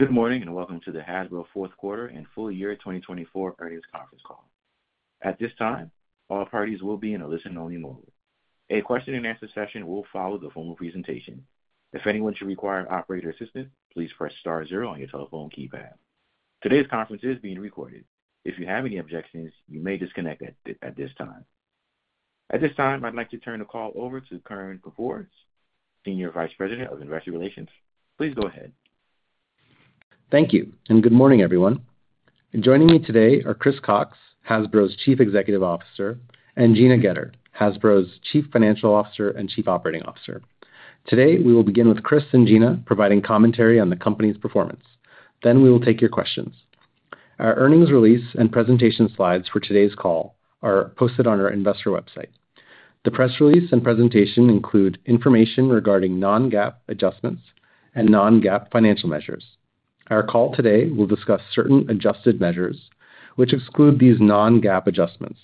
Good morning and welcome to the Hasbro Q4 and Full Year 2024 earnings conference call. At this time, all parties will be in a listen-only mode. A question-and-answer session will follow the formal presentation. If anyone should require operator assistance, please press star zero on your telephone keypad. Today's conference is being recorded. If you have any objections, you may disconnect at this time. At this time, I'd like to turn the call over to Kern Kapoor, Senior Vice President of Investor Relations. Please go ahead. Thank you, and good morning, everyone. Joining me today are Chris Cocks, Hasbro's Chief Executive Officer, and Gina Goetter, Hasbro's Chief Financial Officer and Chief Operating Officer. Today, we will begin with Chris and Gina providing commentary on the company's performance. Then we will take your questions. Our earnings release and presentation slides for today's call are posted on our investor website. The press release and presentation include information regarding non-GAAP adjustments and non-GAAP financial measures. Our call today will discuss certain adjusted measures which exclude these non-GAAP adjustments.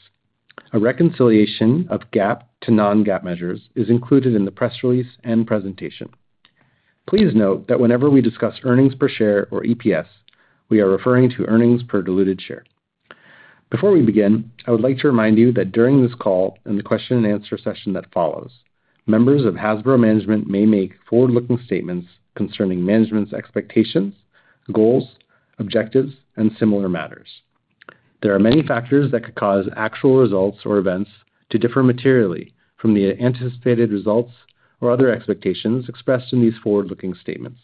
A reconciliation of GAAP to non-GAAP measures is included in the press release and presentation. Please note that whenever we discuss earnings per share or EPS, we are referring to earnings per diluted share. Before we begin, I would like to remind you that during this call and the question-and-answer session that follows, members of Hasbro management may make forward-looking statements concerning management's expectations, goals, objectives, and similar matters. There are many factors that could cause actual results or events to differ materially from the anticipated results or other expectations expressed in these forward-looking statements.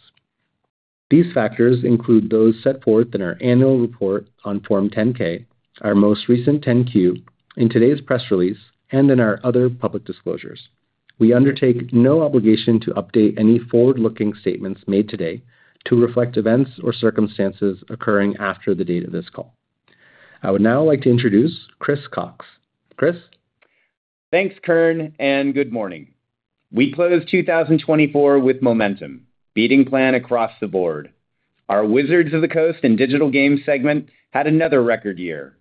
These factors include those set forth in our annual report on Form 10-K, our most recent 10-Q, in today's press release, and in our other public disclosures. We undertake no obligation to update any forward-looking statements made today to reflect events or circumstances occurring after the date of this call. I would now like to introduce Chris Cocks. Chris. Thanks, Kern, and good morning. We closed 2024 with momentum, beating plan across the board. Our Wizards of the Coast and Digital Games segment had another record year.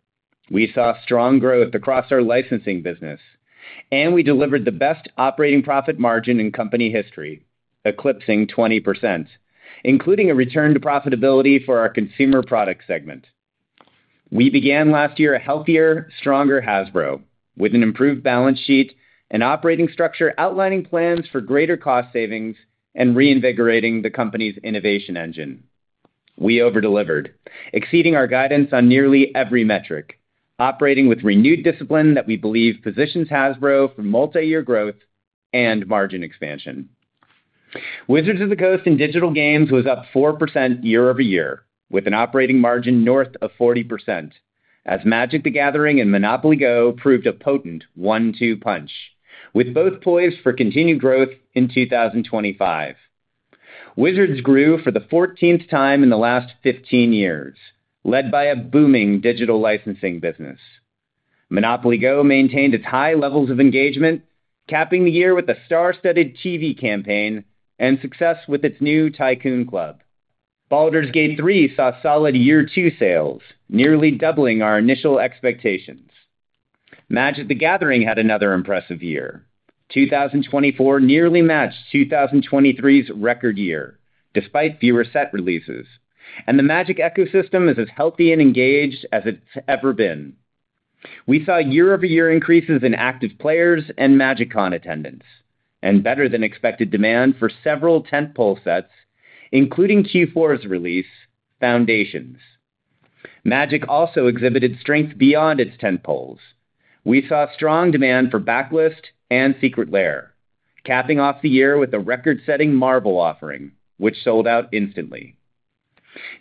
We saw strong growth across our licensing business, and we delivered the best operating profit margin in company history, eclipsing 20%, including a return to profitability for our consumer product segment. We began last year a healthier, stronger Hasbro with an improved balance sheet and operating structure outlining plans for greater cost savings and reinvigorating the company's innovation engine. We overdelivered, exceeding our guidance on nearly every metric, operating with renewed discipline that we believe positions Hasbro for multi-year growth and margin expansion. Wizards of the Coast and Digital Gaming was up 4% year over year, with an operating margin north of 40%, as Magic: The Gathering and Monopoly Go proved a potent one-two punch, with both poised for continued growth in 2025. Wizards grew for the 14th time in the last 15 years, led by a booming digital licensing business. Monopoly Go maintained its high levels of engagement, capping the year with a star-studded TV campaign and success with its new Tycoon Club. Baldur's Gate 3 saw solid year-two sales, nearly doubling our initial expectations. Magic: The Gathering had another impressive year. 2024 nearly matched 2023's record year, despite fewer set releases, and the Magic ecosystem is as healthy and engaged as it's ever been. We saw year-over-year increases in active players and MagicCon attendance, and better-than-expected demand for several tentpole sets, including Q4's release, Foundations. Magic also exhibited strength beyond its tentpoles. We saw strong demand for Backlist and Secret Lair, capping off the year with a record-setting Marvel offering, which sold out instantly.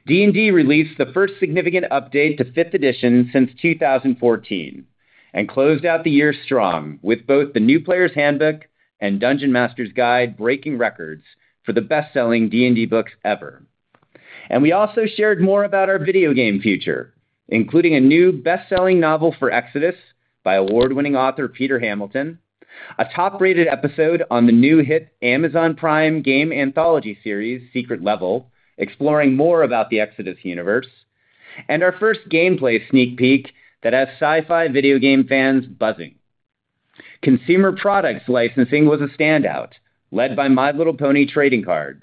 D&D released the first significant update to Fifth Edition since 2014 and closed out the year strong with both the New Player's Handbook and Dungeon Master's Guide breaking records for the best-selling D&D books ever. And we also shared more about our video game future, including a new best-selling novel for Exodus by award-winning author Peter Hamilton, a top-rated episode on the new hit Amazon Prime game anthology series Secret Level exploring more about the Exodus universe, and our first gameplay sneak peek that has sci-fi video game fans buzzing. Consumer products licensing was a standout, led by My Little Pony trading cards,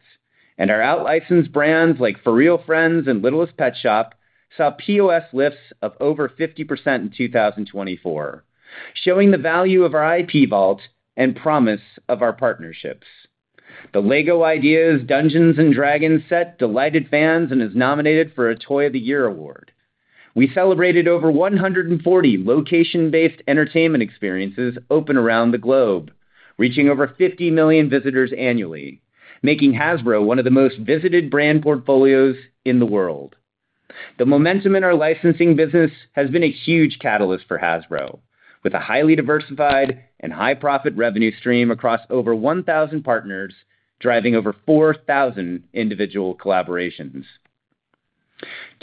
and our out-licensed brands like furReal Friends and Littlest Pet Shop saw POS lifts of over 50% in 2024, showing the value of our IP vault and promise of our partnerships. The LEGO Ideas: Dungeons & Dragons set delighted fans and is nominated for a Toy of the Year award. We celebrated over 140 location-based entertainment experiences open around the globe, reaching over 50 million visitors annually, making Hasbro one of the most visited brand portfolios in the world. The momentum in our licensing business has been a huge catalyst for Hasbro, with a highly diversified and high-profit revenue stream across over 1,000 partners driving over 4,000 individual collaborations.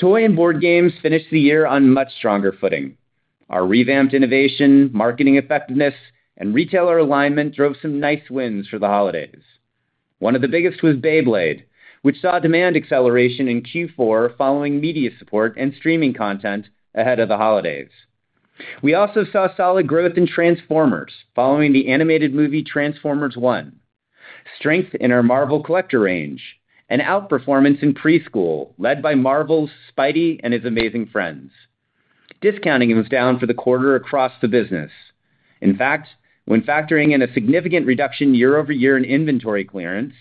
Toy and board games finished the year on much stronger footing. Our revamped innovation, marketing effectiveness, and retailer alignment drove some nice wins for the holidays. One of the biggest was Beyblade, which saw demand acceleration in Q4 following media support and streaming content ahead of the holidays. We also saw solid growth in Transformers following the animated movie Transformers One, strength in our Marvel collector range, and outperformance in preschool led by Marvel's Spidey and His Amazing Friends. Discounting was down for the quarter across the business. In fact, when factoring in a significant reduction year-over-year in inventory clearance,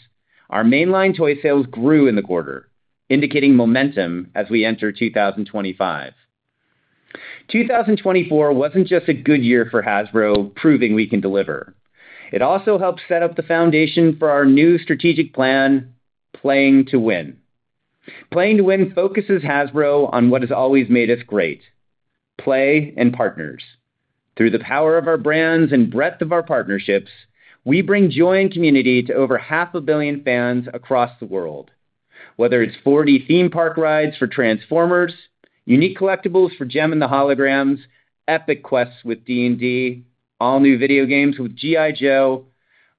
our mainline toy sales grew in the quarter, indicating momentum as we enter 2025. 2024 wasn't just a good year for Hasbro proving we can deliver. It also helped set up the foundation for our new strategic plan, Playing to Win. Playing to Win focuses Hasbro on what has always made us great: play and partners. Through the power of our brands and breadth of our partnerships, we bring joy and community to over half a billion fans across the world. Whether it's 40 theme park rides for Transformers, unique collectibles for Jem and the Holograms, epic quests with D&D, all-new video games with G.I. Joe,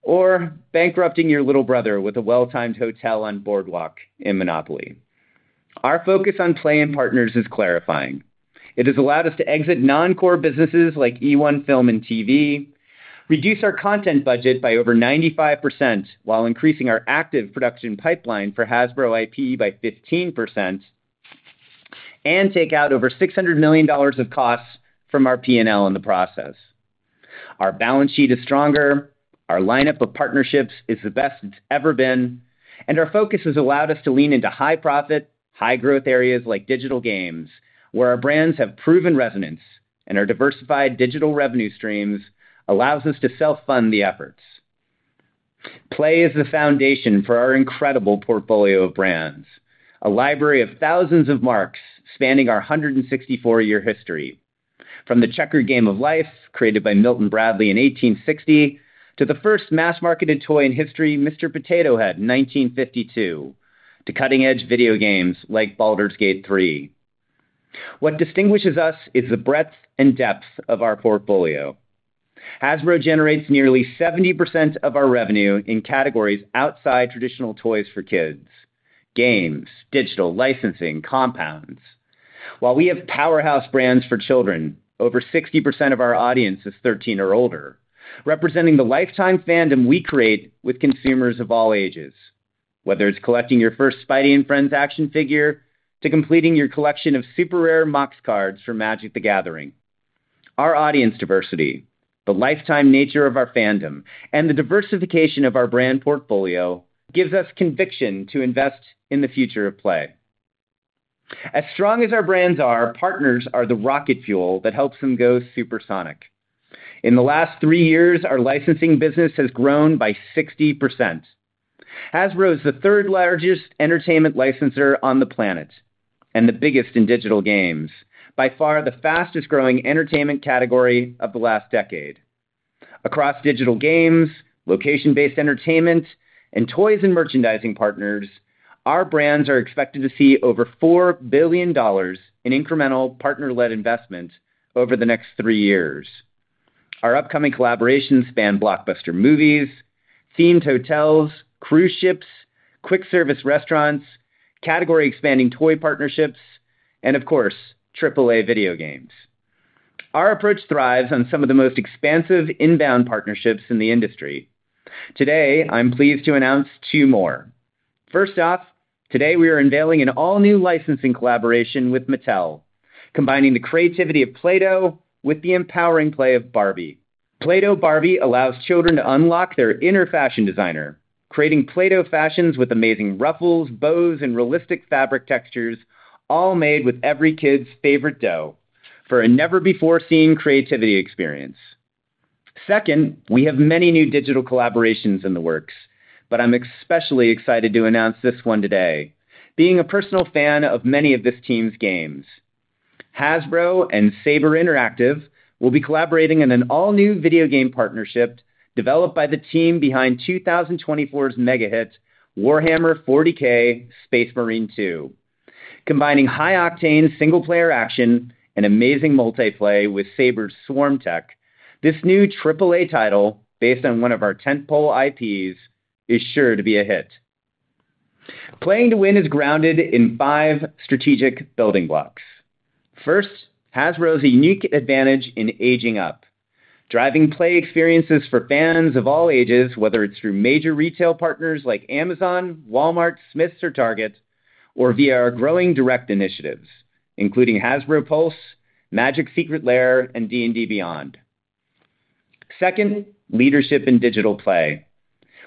or bankrupting your little brother with a well-timed hotel on Boardwalk in Monopoly. Our focus on play and partners is clarifying. It has allowed us to exit non-core businesses like eOne Film and TV, reduce our content budget by over 95% while increasing our active production pipeline for Hasbro IP by 15%, and take out over $600 million of costs from our P&L in the process. Our balance sheet is stronger, our lineup of partnerships is the best it's ever been, and our focus has allowed us to lean into high-profit, high-growth areas like digital games, where our brands have proven resonance, and our diversified digital revenue streams allow us to self-fund the efforts. Play is the foundation for our incredible portfolio of brands, a library of thousands of marks spanning our 164-year history. From The Game of Life created by Milton Bradley in 1860 to the first mass-marketed toy in history, Mr. Potato Head in 1952, to cutting-edge video games like Baldur's Gate 3. What distinguishes us is the breadth and depth of our portfolio. Hasbro generates nearly 70% of our revenue in categories outside traditional toys for kids: games, digital, licensing, compounds. While we have powerhouse brands for children, over 60% of our audience is 13 or older, representing the lifetime fandom we create with consumers of all ages. Whether it's collecting your first Spidey and Friends action figure to completing your collection of super rare Mox cards from Magic: The Gathering, our audience diversity, the lifetime nature of our fandom, and the diversification of our brand portfolio gives us conviction to invest in the future of play. As strong as our brands are, partners are the rocket fuel that helps them go supersonic. In the last three years, our licensing business has grown by 60%. Hasbro is the third-largest entertainment licenser on the planet and the biggest in digital games, by far the fastest-growing entertainment category of the last decade. Across digital games, location-based entertainment, and toys and merchandising partners, our brands are expected to see over $4 billion in incremental partner-led investment over the next three years. Our upcoming collaborations span blockbuster movies, themed hotels, cruise ships, quick-service restaurants, category-expanding toy partnerships, and, of course, AAA video games. Our approach thrives on some of the most expansive inbound partnerships in the industry. Today, I'm pleased to announce two more. First off, today we are unveiling an all-new licensing collaboration with Mattel, combining the creativity of Play-Doh with the empowering play of Barbie. Play-Doh Barbie allows children to unlock their inner fashion designer, creating Play-Doh fashions with amazing ruffles, bows, and realistic fabric textures, all made with every kid's favorite dough for a never-before-seen creativity experience. Second, we have many new digital collaborations in the works, but I'm especially excited to announce this one today, being a personal fan of many of this team's games. Hasbro and Saber Interactive will be collaborating in an all-new video game partnership developed by the team behind 2024's mega-hit Warhammer 40K: Space Marine 2. Combining high-octane single-player action and amazing multiplayer with Saber's Swarm Tech, this new AAA title based on one of our tentpole IPs is sure to be a hit. Playing to Win is grounded in five strategic building blocks. First, Hasbro's unique advantage in aging up, driving play experiences for fans of all ages, whether it's through major retail partners like Amazon, Walmart, Smyths, or Target, or via our growing direct initiatives, including Hasbro Pulse, Magic: Secret Lair, and D&D Beyond. Second, leadership in digital play.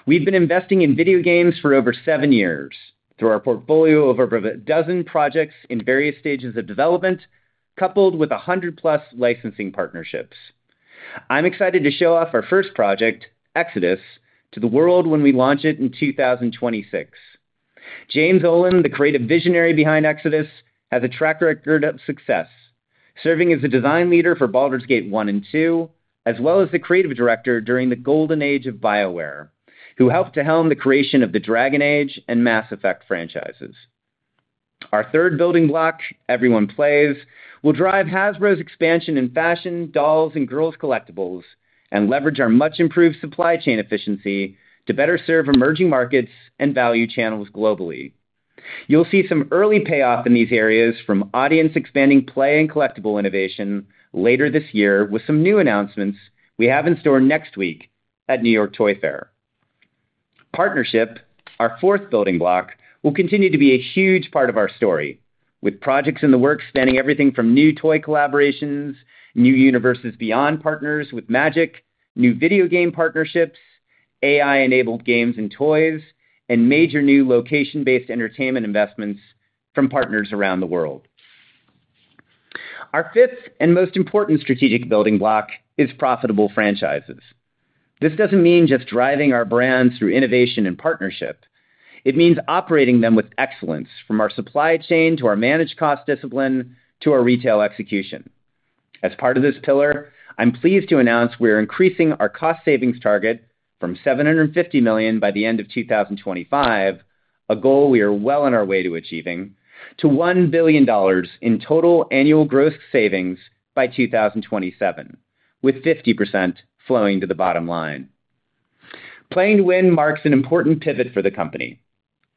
We've been investing in video games for over seven years through our portfolio of over a dozen projects in various stages of development, coupled with 100-plus licensing partnerships. I'm excited to show off our first project, Exodus, to the world when we launch it in 2026. James Ohlen, the creative visionary behind Exodus, has a track record of success, serving as the design leader for Baldur's Gate 1 and 2, as well as the creative director during the golden age of BioWare, who helped to helm the creation of the Dragon Age and Mass Effect franchises. Our third building block, Everyone Plays, will drive Hasbro's expansion in fashion, dolls, and girls' collectibles, and leverage our much-improved supply chain efficiency to better serve emerging markets and value channels globally. You'll see some early payoff in these areas from audience-expanding play and collectible innovation later this year with some new announcements we have in store next week at New York Toy Fair. Partnership, our fourth building block, will continue to be a huge part of our story, with projects in the works spanning everything from new toy collaborations, new Universes Beyond partners with Magic, new video game partnerships, AI-enabled games and toys, and major new location-based entertainment investments from partners around the world. Our fifth and most important strategic building block is profitable franchises. This doesn't mean just driving our brands through innovation and partnership. It means operating them with excellence from our supply chain to our managed cost discipline to our retail execution. As part of this pillar, I'm pleased to announce we're increasing our cost savings target from $750 million by the end of 2025, a goal we are well on our way to achieving, to $1 billion in total annual gross savings by 2027, with 50% flowing to the bottom line. Playing to Win marks an important pivot for the company,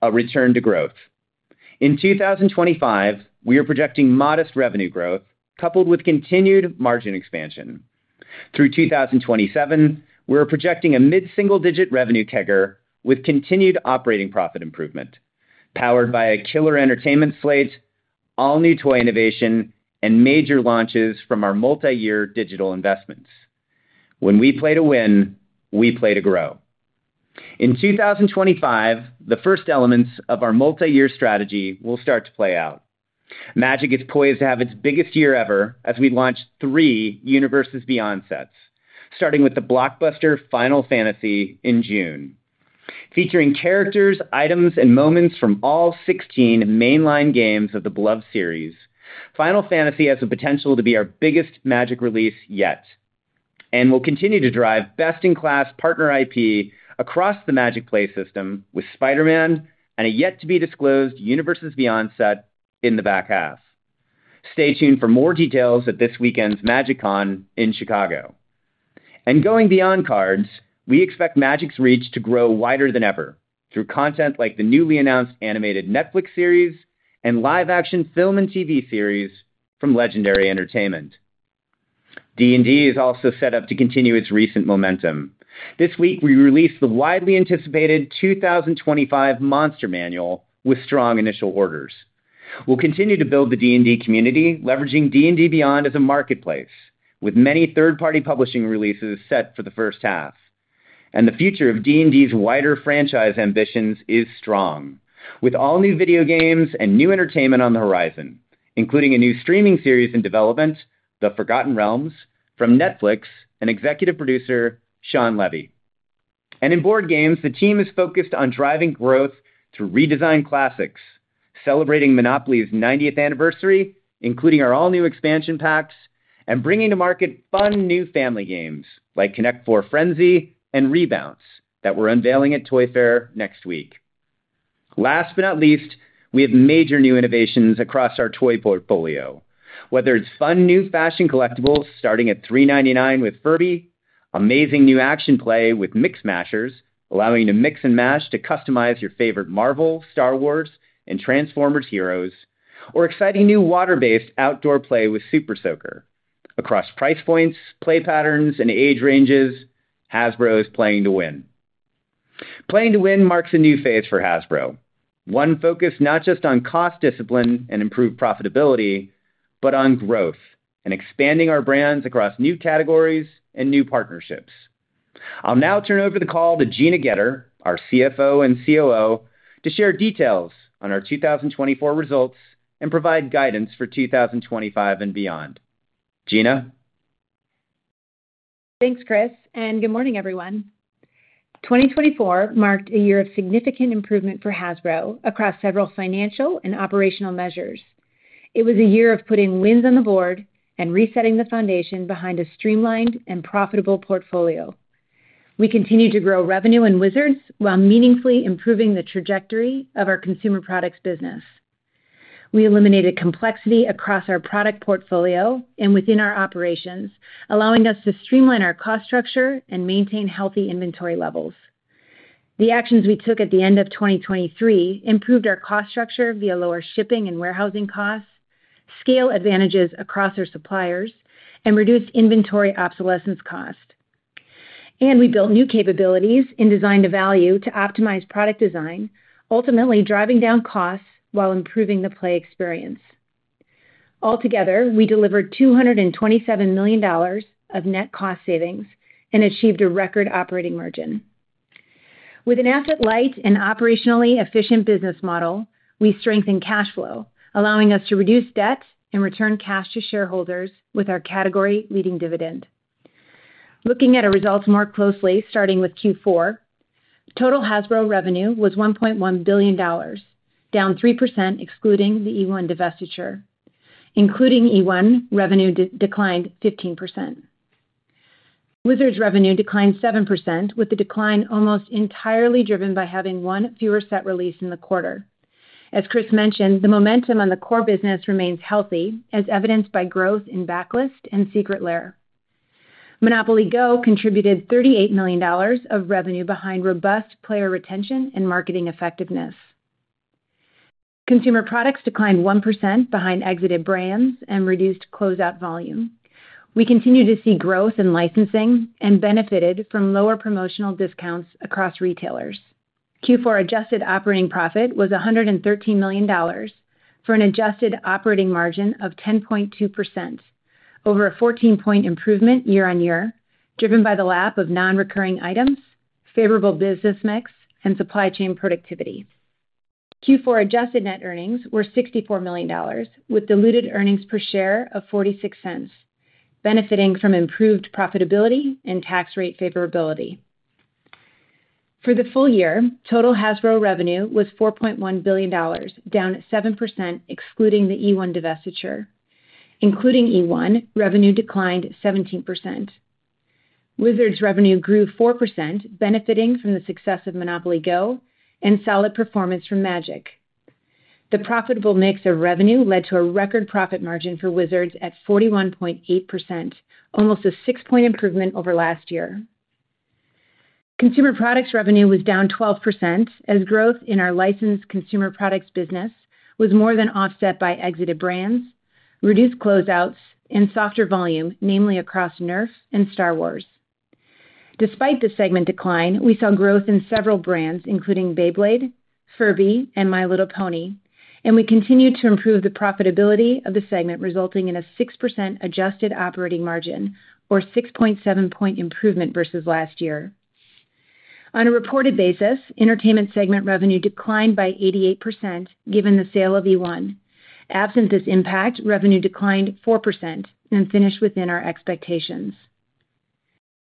a return to growth. In 2025, we are projecting modest revenue growth coupled with continued margin expansion. Through 2027, we're projecting a mid-single-digit revenue CAGR with continued operating profit improvement, powered by a killer entertainment slate, all-new toy innovation, and major launches from our multi-year digital investments. When we play to win, we play to grow. In 2025, the first elements of our multi-year strategy will start to play out. Magic is poised to have its biggest year ever as we launch three Universes Beyond sets, starting with the blockbuster Final Fantasy in June. Featuring characters, items, and moments from all 16 mainline games of the beloved series, Final Fantasy has the potential to be our biggest Magic release yet and will continue to drive best-in-class partner IP across the Magic Play system with Spider-Man and a yet-to-be-disclosed Universes Beyond set in the back half. Stay tuned for more details at this weekend's MagicCon in Chicago. And going beyond cards, we expect Magic's reach to grow wider than ever through content like the newly announced animated Netflix series and live-action film and TV series from Legendary Entertainment. D&D is also set up to continue its recent momentum. This week, we released the widely anticipated 2025 Monster Manual with strong initial orders. We'll continue to build the D&D community, leveraging D&D Beyond as a marketplace, with many third-party publishing releases set for the first half. And the future of D&D's wider franchise ambitions is strong, with all-new video games and new entertainment on the horizon, including a new streaming series in development, The Forgotten Realms, from Netflix and executive producer Shawn Levy. And in board games, the team is focused on driving growth through redesigned classics, celebrating Monopoly's 90th anniversary, including our all-new expansion packs, and bringing to market fun new family games like Connect 4 Frenzy and Rebounce that we're unveiling at Toy Fair next week. Last but not least, we have major new innovations across our toy portfolio, whether it's fun new fashion collectibles starting at $399 with Furby, amazing new action play with Mix Mashers, allowing you to mix and mash to customize your favorite Marvel, Star Wars, and Transformers heroes, or exciting new water-based outdoor play with Super Soaker. Across price points, play patterns, and age ranges, Hasbro is playing to win. Playing to Win marks a new phase for Hasbro, one focused not just on cost discipline and improved profitability, but on growth and expanding our brands across new categories and new partnerships. I'll now turn over the call to Gina Goetter, our CFO and COO, to share details on our 2024 results and provide guidance for 2025 and beyond. Gina. Thanks, Chris. And good morning, everyone. 2024 marked a year of significant improvement for Hasbro across several financial and operational measures. It was a year of putting wins on the board and resetting the foundation behind a streamlined and profitable portfolio. We continue to grow revenue in Wizards while meaningfully improving the trajectory of our consumer products business. We eliminated complexity across our product portfolio and within our operations, allowing us to streamline our cost structure and maintain healthy inventory levels. The actions we took at the end of 2023 improved our cost structure via lower shipping and warehousing costs, scale advantages across our suppliers, and reduced inventory obsolescence cost. We built new capabilities and Design-to-Value to optimize product design, ultimately driving down costs while improving the play experience. Altogether, we delivered $227 million of net cost savings and achieved a record operating margin. With an asset-light and operationally efficient business model, we strengthened cash flow, allowing us to reduce debt and return cash to shareholders with our category-leading dividend. Looking at our results more closely, starting with Q4, total Hasbro revenue was $1.1 billion, down 3% excluding the E1 divestiture. Including E1, revenue declined 15%. Wizards revenue declined 7%, with the decline almost entirely driven by having one fewer set release in the quarter. As Chris mentioned, the momentum on the core business remains healthy, as evidenced by growth in Backlist and Secret Lair. Monopoly Go contributed $38 million of revenue behind robust player retention and marketing effectiveness. Consumer products declined 1% behind exited brands and reduced closeout volume. We continue to see growth in licensing and benefited from lower promotional discounts across retailers. Q4 adjusted operating profit was $113 million for an adjusted operating margin of 10.2%, over a 14-point improvement year-on-year, driven by the lapped non-recurring items, favorable business mix, and supply chain productivity. Q4 adjusted net earnings were $64 million, with diluted earnings per share of $0.46, benefiting from improved profitability and tax rate favorability. For the full year, total Hasbro revenue was $4.1 billion, down 7% excluding the E1 divestiture. Including E1, revenue declined 17%. Wizards revenue grew 4%, benefiting from the success of Monopoly Go and solid performance from Magic. The profitable mix of revenue led to a record profit margin for Wizards at 41.8%, almost a 6-point improvement over last year. Consumer products revenue was down 12%, as growth in our licensed consumer products business was more than offset by exited brands, reduced closeouts, and softer volume, namely across Nerf and Star Wars. Despite the segment decline, we saw growth in several brands, including Beyblade, Furby, and My Little Pony, and we continue to improve the profitability of the segment, resulting in a 6% adjusted operating margin, or 6.7-point improvement versus last year. On a reported basis, entertainment segment revenue declined by 88% given the sale of E1. Absent this impact, revenue declined 4% and finished within our expectations.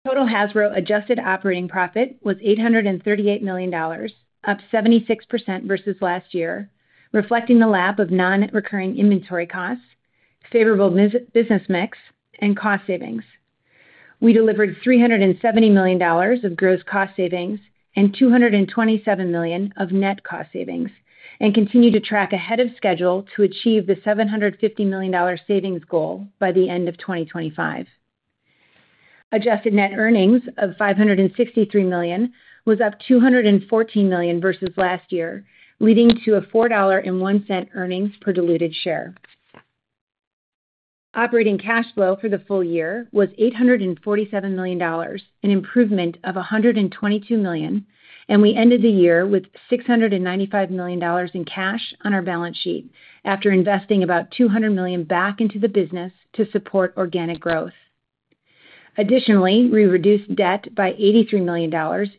Total Hasbro adjusted operating profit was $838 million, up 76% versus last year, reflecting the lap of non-recurring inventory costs, favorable business mix, and cost savings. We delivered $370 million of gross cost savings and $227 million of net cost savings and continue to track ahead of schedule to achieve the $750 million savings goal by the end of 2025. Adjusted net earnings of $563 million was up $214 million versus last year, leading to a $4.01 earnings per diluted share. Operating cash flow for the full year was $847 million, an improvement of $122 million, and we ended the year with $695 million in cash on our balance sheet after investing about $200 million back into the business to support organic growth. Additionally, we reduced debt by $83 million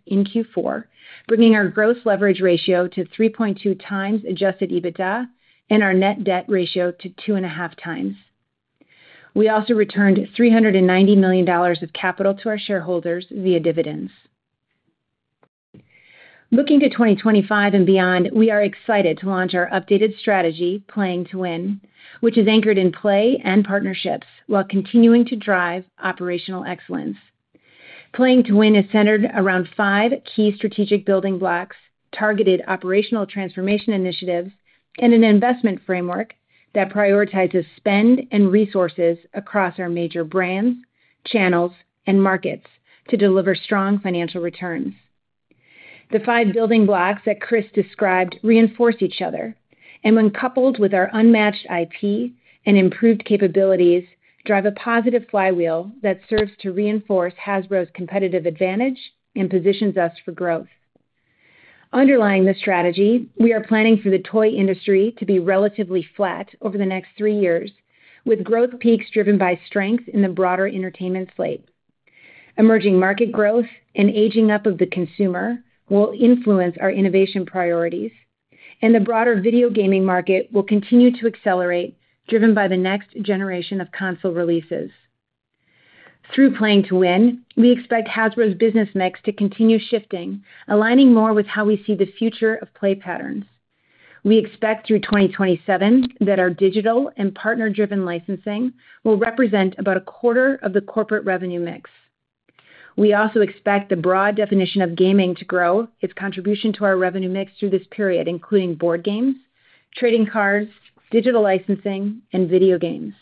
in Q4, bringing our gross leverage ratio to 3.2 times Adjusted EBITDA and our net debt ratio to 2.5 times. We also returned $390 million of capital to our shareholders via dividends. Looking to 2025 and beyond, we are excited to launch our updated strategy, Playing to Win, which is anchored in play and partnerships while continuing to drive operational excellence. Playing to Win is centered around five key strategic building blocks, targeted operational transformation initiatives, and an investment framework that prioritizes spend and resources across our major brands, channels, and markets to deliver strong financial returns. The five building blocks that Chris described reinforce each other, and when coupled with our unmatched IP and improved capabilities, drive a positive flywheel that serves to reinforce Hasbro's competitive advantage and positions us for growth. Underlying the strategy, we are planning for the toy industry to be relatively flat over the next three years, with growth peaks driven by strength in the broader entertainment slate. Emerging market growth and aging up of the consumer will influence our innovation priorities, and the broader video gaming market will continue to accelerate, driven by the next generation of console releases. Through Playing to Win, we expect Hasbro's business mix to continue shifting, aligning more with how we see the future of play patterns. We expect through 2027 that our digital and partner-driven licensing will represent about a quarter of the corporate revenue mix. We also expect the broad definition of gaming to grow its contribution to our revenue mix through this period, including board games, trading cards, digital licensing, and video games.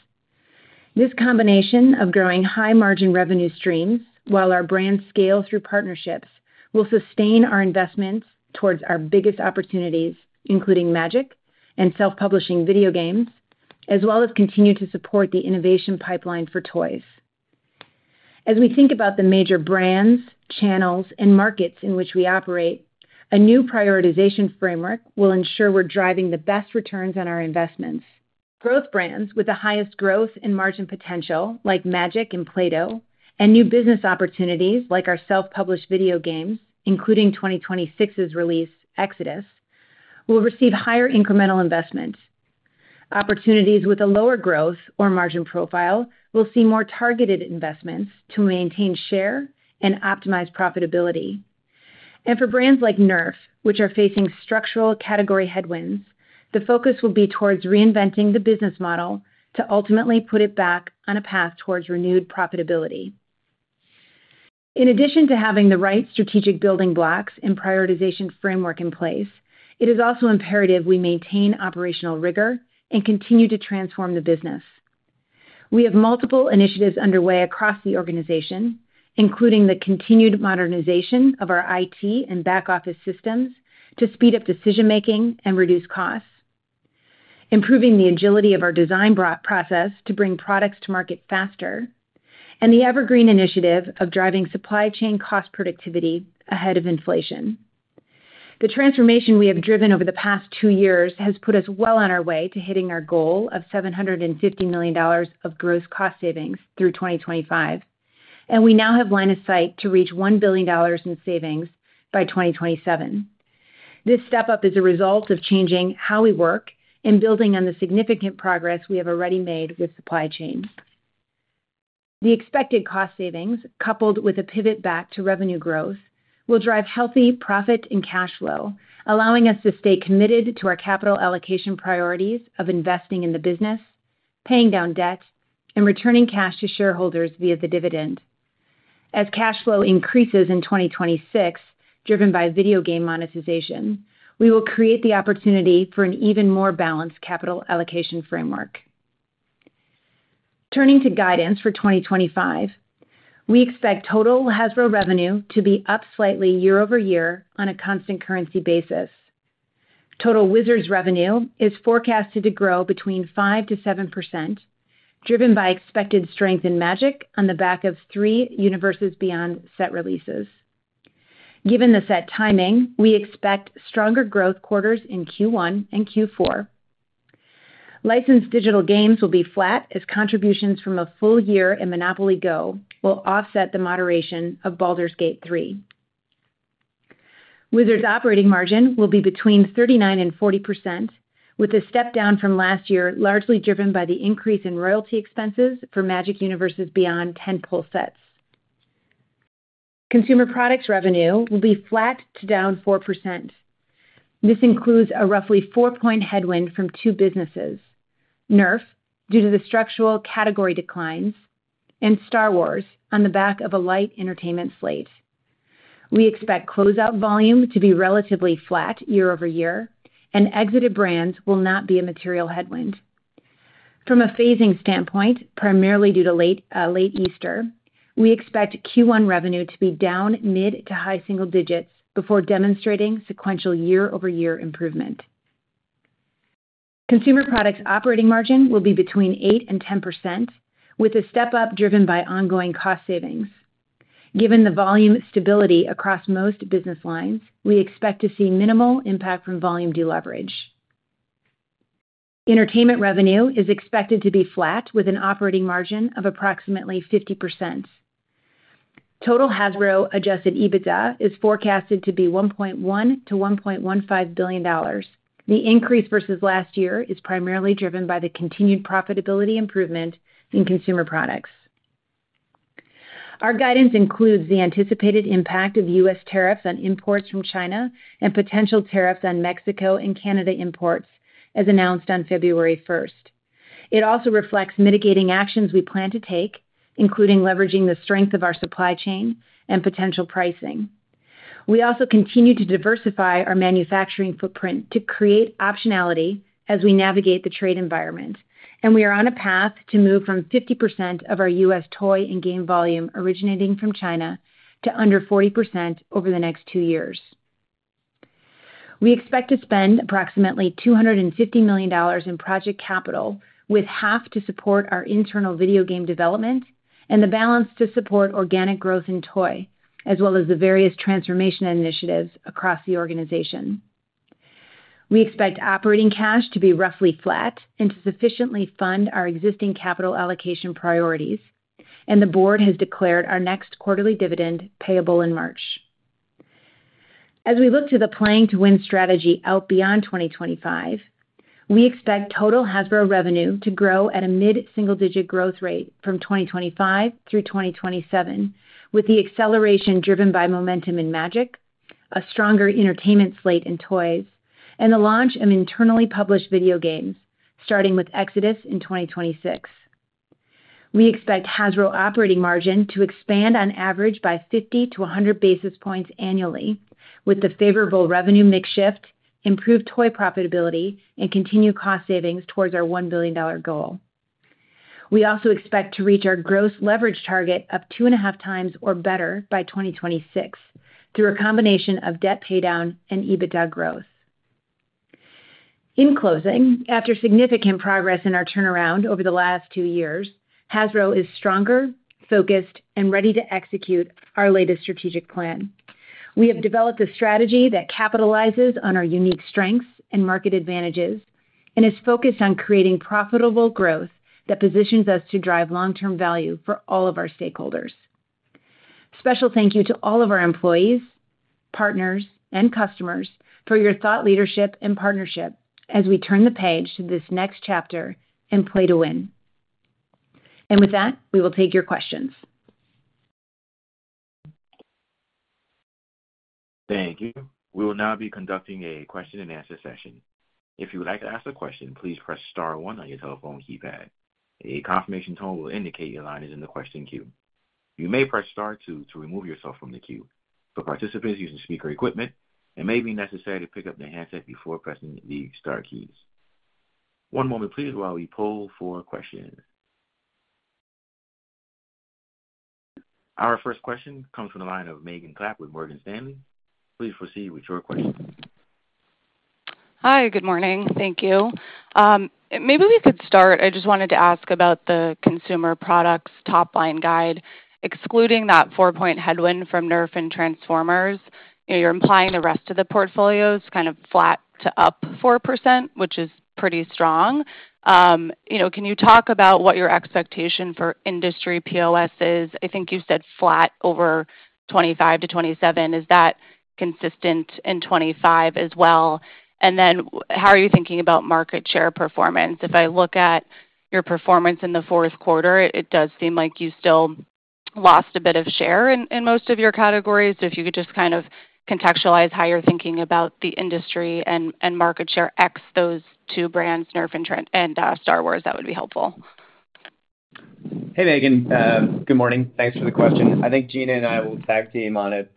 This combination of growing high-margin revenue streams while our brands scale through partnerships will sustain our investments towards our biggest opportunities, including Magic and self-publishing video games, as well as continue to support the innovation pipeline for toys. As we think about the major brands, channels, and markets in which we operate, a new prioritization framework will ensure we're driving the best returns on our investments. Growth brands with the highest growth and margin potential, like Magic and Play-Doh, and new business opportunities like our self-published video games, including 2026's release, Exodus, will receive higher incremental investments. Opportunities with a lower growth or margin profile will see more targeted investments to maintain share and optimize profitability. And for brands like Nerf, which are facing structural category headwinds, the focus will be towards reinventing the business model to ultimately put it back on a path towards renewed profitability. In addition to having the right strategic building blocks and prioritization framework in place, it is also imperative we maintain operational rigor and continue to transform the business. We have multiple initiatives underway across the organization, including the continued modernization of our IT and back office systems to speed up decision-making and reduce costs, improving the agility of our design process to bring products to market faster, and the evergreen initiative of driving supply chain cost productivity ahead of inflation. The transformation we have driven over the past two years has put us well on our way to hitting our goal of $750 million of gross cost savings through 2025, and we now have a line of sight to reach $1 billion in savings by 2027. This step-up is a result of changing how we work and building on the significant progress we have already made with supply chains. The expected cost savings, coupled with a pivot back to revenue growth, will drive healthy profit and cash flow, allowing us to stay committed to our capital allocation priorities of investing in the business, paying down debt, and returning cash to shareholders via the dividend. As cash flow increases in 2026, driven by video game monetization, we will create the opportunity for an even more balanced capital allocation framework. Turning to guidance for 2025, we expect total Hasbro revenue to be up slightly year-over-year on a constant currency basis. Total Wizards revenue is forecast to grow between 5%-7%, driven by expected strength in Magic on the back of three Universes Beyond set releases. Given the set timing, we expect stronger growth quarters in Q1 and Q4. Licensed digital games will be flat as contributions from a full year in Monopoly Go will offset the moderation of Baldur's Gate 3. Wizards operating margin will be between 39%-40%, with a step down from last year, largely driven by the increase in royalty expenses for Magic Universes Beyond 10 pull sets. Consumer products revenue will be flat to down 4%. This includes a roughly four-point headwind from two businesses: Nerf, due to the structural category declines, and Star Wars, on the back of a light entertainment slate. We expect closeout volume to be relatively flat year-over-year, and exited brands will not be a material headwind. From a phasing standpoint, primarily due to late Easter, we expect Q1 revenue to be down mid to high single digits before demonstrating sequential year-over-year improvement. Consumer products operating margin will be between 8% and 10%, with a step-up driven by ongoing cost savings. Given the volume stability across most business lines, we expect to see minimal impact from volume deleverage. Entertainment revenue is expected to be flat, with an operating margin of approximately 50%. Total Hasbro adjusted EBITDA is forecasted to be $1.1-$1.15 billion. The increase versus last year is primarily driven by the continued profitability improvement in consumer products. Our guidance includes the anticipated impact of U.S. tariffs on imports from China and potential tariffs on Mexico and Canada imports, as announced on February 1st. It also reflects mitigating actions we plan to take, including leveraging the strength of our supply chain and potential pricing. We also continue to diversify our manufacturing footprint to create optionality as we navigate the trade environment, and we are on a path to move from 50% of our U.S. toy and game volume originating from China to under 40% over the next two years. We expect to spend approximately $250 million in project capital, with half to support our internal video game development and the balance to support organic growth in toy, as well as the various transformation initiatives across the organization. We expect operating cash to be roughly flat and to sufficiently fund our existing capital allocation priorities, and the board has declared our next quarterly dividend payable in March. As we look to the Playing to Win strategy out beyond 2025, we expect total Hasbro revenue to grow at a mid-single-digit growth rate from 2025 through 2027, with the acceleration driven by momentum in Magic, a stronger entertainment slate in toys, and the launch of internally published video games, starting with Exodus in 2026. We expect Hasbro operating margin to expand on average by 50 to 100 basis points annually, with the favorable revenue mix shift, improved toy profitability, and continued cost savings towards our $1 billion goal. We also expect to reach our gross leverage target of two and a half times or better by 2026 through a combination of debt paydown and EBITDA growth. In closing, after significant progress in our turnaround over the last two years, Hasbro is stronger, focused, and ready to execute our latest strategic plan. We have developed a strategy that capitalizes on our unique strengths and market advantages and is focused on creating profitable growth that positions us to drive long-term value for all of our stakeholders. Special thank you to all of our employees, partners, and customers for your thought leadership and partnership as we turn the page to this next chapter in Playing to Win. And with that, we will take your questions. Thank you. We will now be conducting a question-and-answer session. If you would like to ask a question, please press Star 1 on your telephone keypad. A confirmation tone will indicate your line is in the question queue. You may press Star 2 to remove yourself from the queue. For participants using speaker equipment, it may be necessary to pick up the handset before pressing the Star keys. One moment, please, while we poll for questions. Our first question comes from the line of Megan Clapp with Morgan Stanley. Please proceed with your question. Hi, good morning. Thank you. Maybe we could start. I just wanted to ask about the consumer products top-line guide, excluding that four-point headwind from Nerf and Transformers. You're implying the rest of the portfolio is kind of flat to up 4%, which is pretty strong. Can you talk about what your expectation for industry POS is? I think you said flat over 2025 to 2027. Is that consistent in 2025 as well? And then how are you thinking about market share performance? If I look at your performance in the Q4, it does seem like you still lost a bit of share in most of your categories. So if you could just kind of contextualize how you're thinking about the industry and market share across those two brands, Nerf and Star Wars, that would be helpful. Hey, Megan. Good morning. Thanks for the question. I think Gina and I will tag team on it.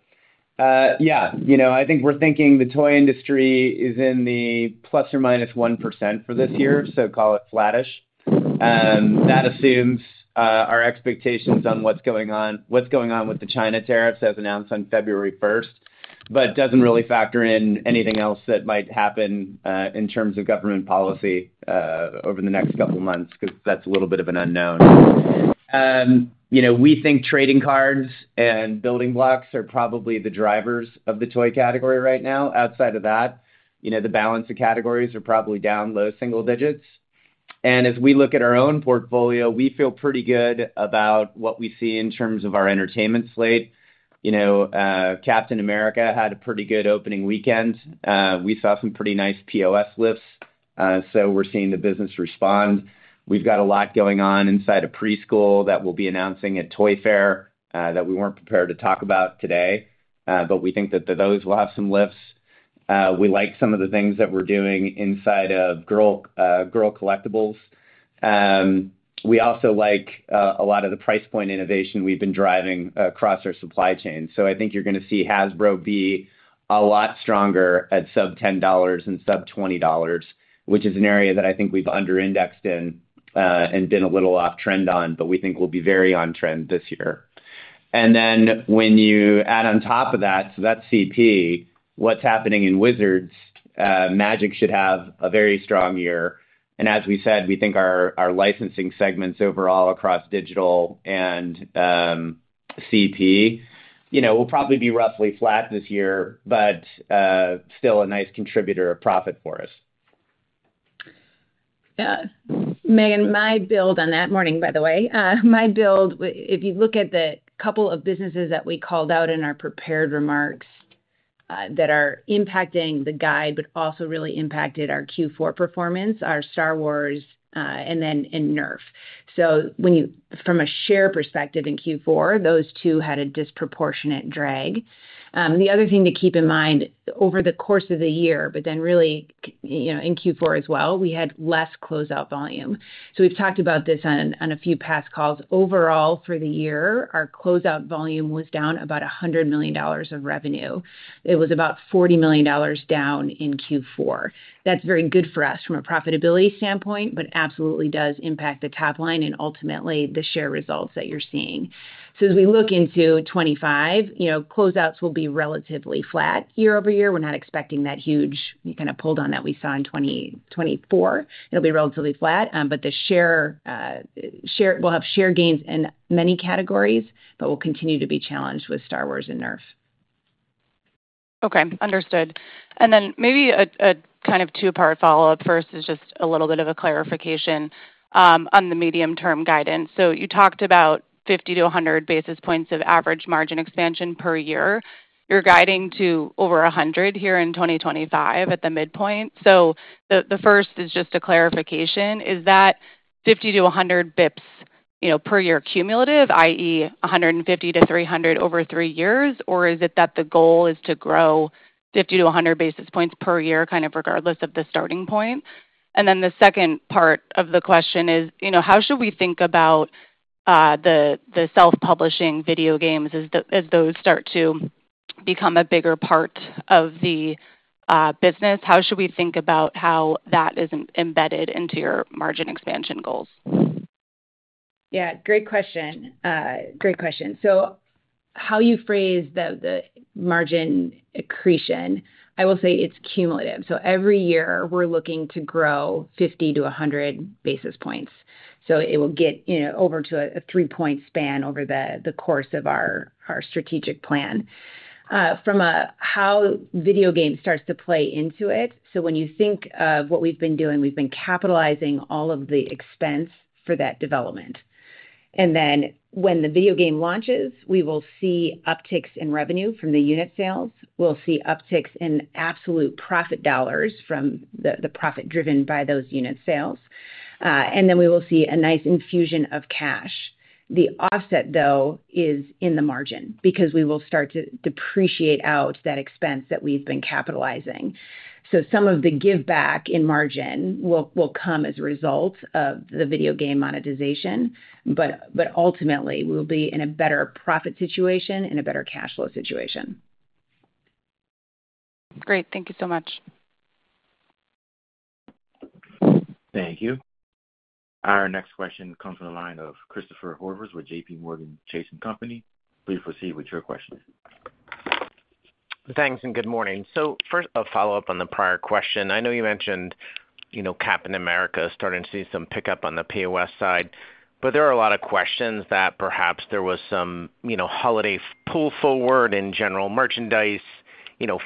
Yeah. I think we're thinking the toy industry is in the plus or minus 1% for this year, so call it flattish. That assumes our expectations on what's going on with the China tariffs as announced on February 1st, but doesn't really factor in anything else that might happen in terms of government policy over the next couple of months because that's a little bit of an unknown. We think trading cards and building blocks are probably the drivers of the toy category right now. Outside of that, the balance of categories are probably down low single digits. As we look at our own portfolio, we feel pretty good about what we see in terms of our entertainment slate. Captain America had a pretty good opening weekend. We saw some pretty nice POS lifts, so we're seeing the business respond. We've got a lot going on inside preschool that we'll be announcing at Toy Fair that we weren't prepared to talk about today, but we think that those will have some lifts. We like some of the things that we're doing inside of girl collectibles. We also like a lot of the price point innovation we've been driving across our supply chain. I think you're going to see Hasbro be a lot stronger at sub-$10 and sub-$20, which is an area that I think we've under-indexed in and been a little off-trend on, but we think we'll be very on-trend this year. And then when you add on top of that, so that's CP. What's happening in Wizards, Magic should have a very strong year. As we said, we think our licensing segments overall across digital and CP will probably be roughly flat this year, but still a nice contributor of profit for us. Yeah. Megan, let me build on that, by the way. If you look at the couple of businesses that we called out in our prepared remarks that are impacting the guide, but also really impacted our Q4 performance, our Star Wars and then Nerf. So from a share perspective in Q4, those two had a disproportionate drag. The other thing to keep in mind over the course of the year, but then really in Q4 as well, we had less closeout volume. So we've talked about this on a few past calls. Overall, for the year, our closeout volume was down about $100 million of revenue. It was about $40 million down in Q4. That's very good for us from a profitability standpoint, but absolutely does impact the top line and ultimately the share results that you're seeing. So as we look into 2025, closeouts will be relatively flat year over year. We're not expecting that huge kind of pull down that we saw in 2024. It'll be relatively flat, but the share will have share gains in many categories, but will continue to be challenged with Star Wars and Nerf. Okay. Understood. And then maybe a kind of two-part follow-up. First is just a little bit of a clarification on the medium-term guidance. So you talked about 50-100 basis points of average margin expansion per year. You're guiding to over 100 here in 2025 at the midpoint. So the first is just a clarification. Is that 50-100 basis points per year cumulative, i.e., 150-300 over three years, or is it that the goal is to grow 50-100 basis points per year kind of regardless of the starting point? And then the second part of the question is, how should we think about the self-publishing video games as those start to become a bigger part of the business? How should we think about how that is embedded into your margin expansion goals? Yeah. Great question. Great question. So how you phrase the margin accretion, I will say it's cumulative. So every year, we're looking to grow 50-100 basis points. So it will get over to a three-point span over the course of our strategic plan from how video games starts to play into it. So when you think of what we've been doing, we've been capitalizing all of the expense for that development. And then when the video game launches, we will see upticks in revenue from the unit sales. We'll see upticks in absolute profit dollars from the profit driven by those unit sales. And then we will see a nice infusion of cash. The offset, though, is in the margin because we will start to depreciate out that expense that we've been capitalizing. So some of the give back in margin will come as a result of the video game monetization, but ultimately, we'll be in a better profit situation, in a better cash flow situation. Great. Thank you so much. Thank you. Our next question comes from the line of Christopher Horvers with JPMorgan Chase & Co. Please proceed with your question. Thanks and good morning. So first, a follow-up on the prior question. I know you mentioned Captain America starting to see some pickup on the POS side, but there are a lot of questions that perhaps there was some holiday pull forward in general merchandise,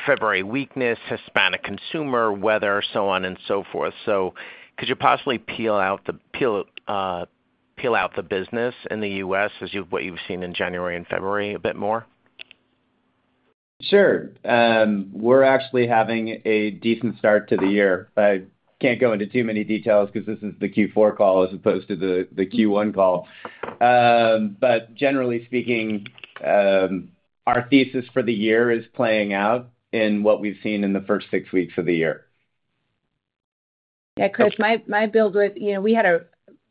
February weakness, Hispanic consumer weather, so on and so forth. So could you possibly peel out the business in the U.S. as what you've seen in January and February a bit more? Sure. We're actually having a decent start to the year. I can't go into too many details because this is the Q4 call as opposed to the Q1 call. But generally speaking, our thesis for the year is playing out in what we've seen in the first six weeks of the year. Yeah. Chris, my build.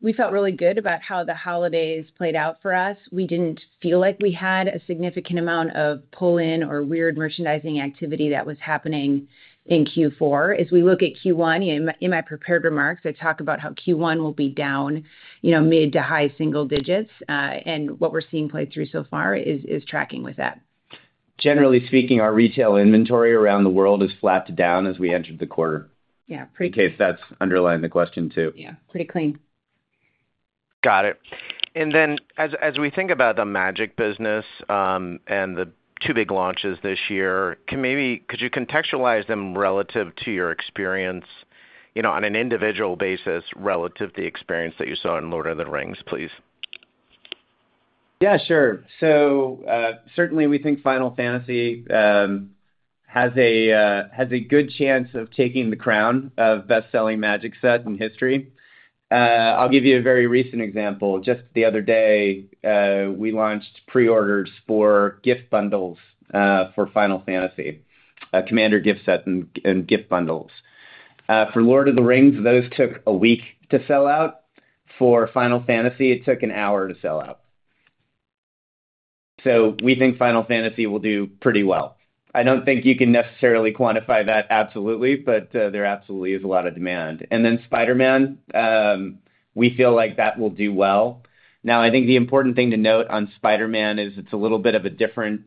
We felt really good about how the holidays played out for us. We didn't feel like we had a significant amount of pull-in or weird merchandising activity that was happening in Q4. As we look at Q1, in my prepared remarks, I talk about how Q1 will be down mid to high single digits. And what we're seeing play through so far is tracking with that. Generally speaking, our retail inventory around the world is flat to down as we enter the quarter. Yeah. Pretty clean. In case that's underlying the question too. Yeah. Pretty clean. Got it. And then as we think about the Magic business and the two big launches this year, could you contextualize them relative to your experience on an individual basis relative to the experience that you saw in Lord of the Rings, please? Yeah. Sure. So certainly, we think Final Fantasy has a good chance of taking the crown of best-selling Magic set in history. I'll give you a very recent example. Just the other day, we launched pre-orders for gift bundles for Final Fantasy, a Commander gift set and gift bundles. For Lord of the Rings, those took a week to sell out. For Final Fantasy, it took an hour to sell out. So we think Final Fantasy will do pretty well. I don't think you can necessarily quantify that absolutely, but there absolutely is a lot of demand, and then Spider-Man, we feel like that will do well. Now, I think the important thing to note on Spider-Man is it's a little bit of a different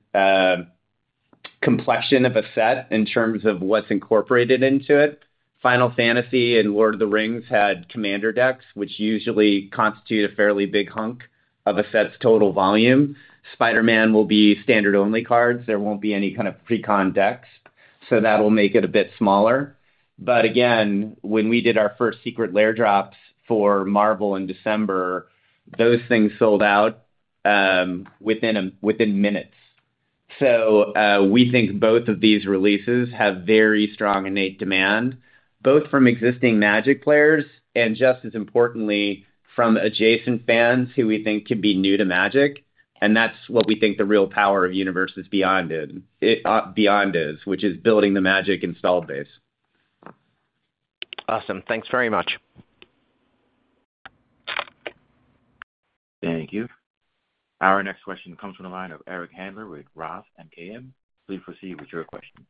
complexion of a set in terms of what's incorporated into it. Final Fantasy and Lord of the Rings had Commander decks, which usually constitute a fairly big hunk of a set's total volume. Spider-Man will be Standard-only cards. There won't be any kind of pre-con decks, so that'll make it a bit smaller. But again, when we did our first Secret Lair drops for Marvel in December, those things sold out within minutes. So we think both of these releases have very strong innate demand, both from existing Magic players and, just as importantly, from adjacent fans who we think could be new to Magic. And that's what we think the real power of Universes Beyond is, which is building the Magic installed base. Awesome. Thanks very much. Thank you. Our next question comes from the line of Eric Handler with Roth MKM. Please proceed with your question.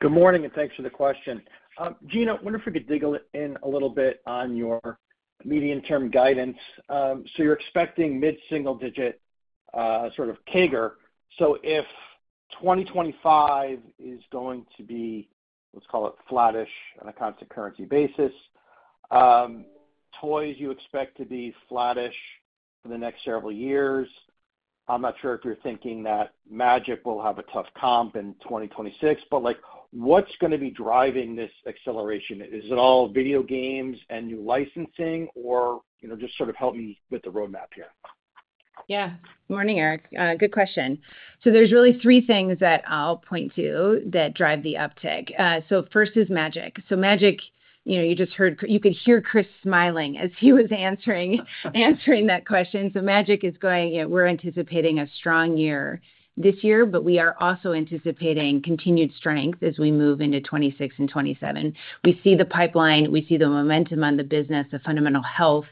Good morning and thanks for the question. Gina, I wonder if we could dig in a little bit on your medium-term guidance. So you're expecting mid-single-digit sort of CAGR. So if 2025 is going to be, let's call it flattish on a constant currency basis, toys you expect to be flattish for the next several years. I'm not sure if you're thinking that Magic will have a tough comp in 2026, but what's going to be driving this acceleration? Is it all video games and new licensing, or just sort of help me with the roadmap here? Yeah. Good morning, Eric. Good question. So there's really three things that I'll point to that drive the uptick. So first is Magic. So Magic, you just heard. You could hear Chris smiling as he was answering that question. So Magic is going, "We're anticipating a strong year this year, but we are also anticipating continued strength as we move into 2026 and 2027." We see the pipeline. We see the momentum on the business, the fundamental health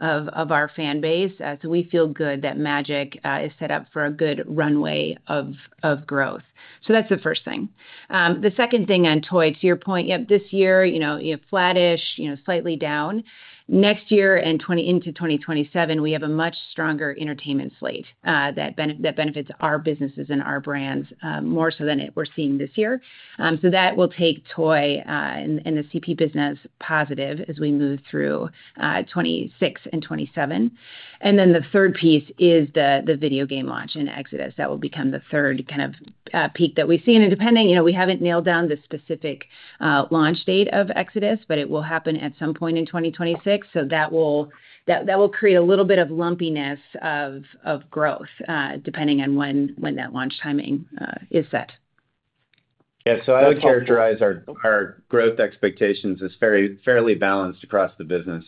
of our fan base. So we feel good that Magic is set up for a good runway of growth. So that's the first thing. The second thing on toy, to your point, yep, this year, you have flattish, slightly down. Next year and into 2027, we have a much stronger entertainment slate that benefits our businesses and our brands more so than we're seeing this year. So that will take toy and the CP business positive as we move through 2026 and 2027. And then the third piece is the video game launch in Exodus. That will become the third kind of peak that we see. And depending, we haven't nailed down the specific launch date of Exodus, but it will happen at some point in 2026. So that will create a little bit of lumpiness of growth depending on when that launch timing is set. Yeah. So I would characterize our growth expectations as fairly balanced across the business.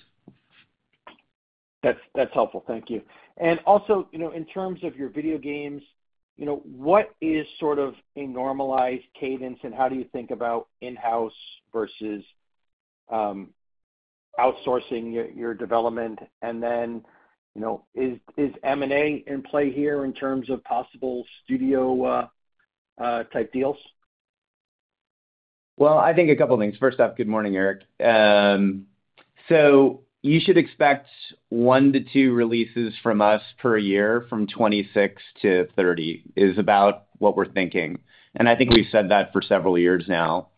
That's helpful. Thank you. And also, in terms of your video games, what is sort of a normalized cadence, and how do you think about in-house versus outsourcing your development? And then is M&A in play here in terms of possible studio-type deals? Well, I think a couple of things. First off, good morning, Eric. So you should expect one to two releases from us per year from 2026 to 2030, is about what we're thinking. And I think we've said that for several years now.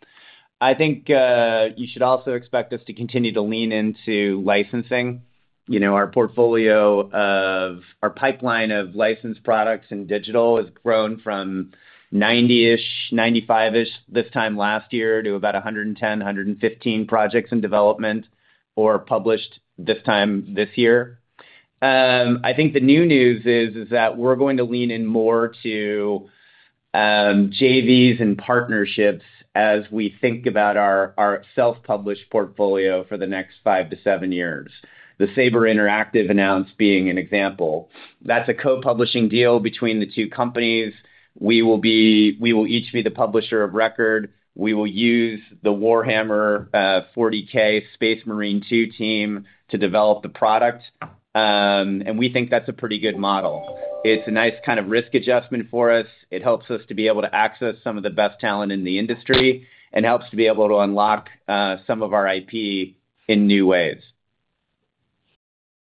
I think you should also expect us to continue to lean into licensing. Our pipeline of licensed products and digital has grown from 90-ish, 95-ish this time last year to about 110, 115 projects in development or published this time this year. I think the new news is that we're going to lean in more to JVs and partnerships as we think about our self-published portfolio for the next five to seven years. The Saber Interactive announced being an example. That's a co-publishing deal between the two companies. We will each be the publisher of record. We will use the Warhammer 40K Space Marine 2 team to develop the product. And we think that's a pretty good model. It's a nice kind of risk adjustment for us. It helps us to be able to access some of the best talent in the industry and helps to be able to unlock some of our IP in new ways.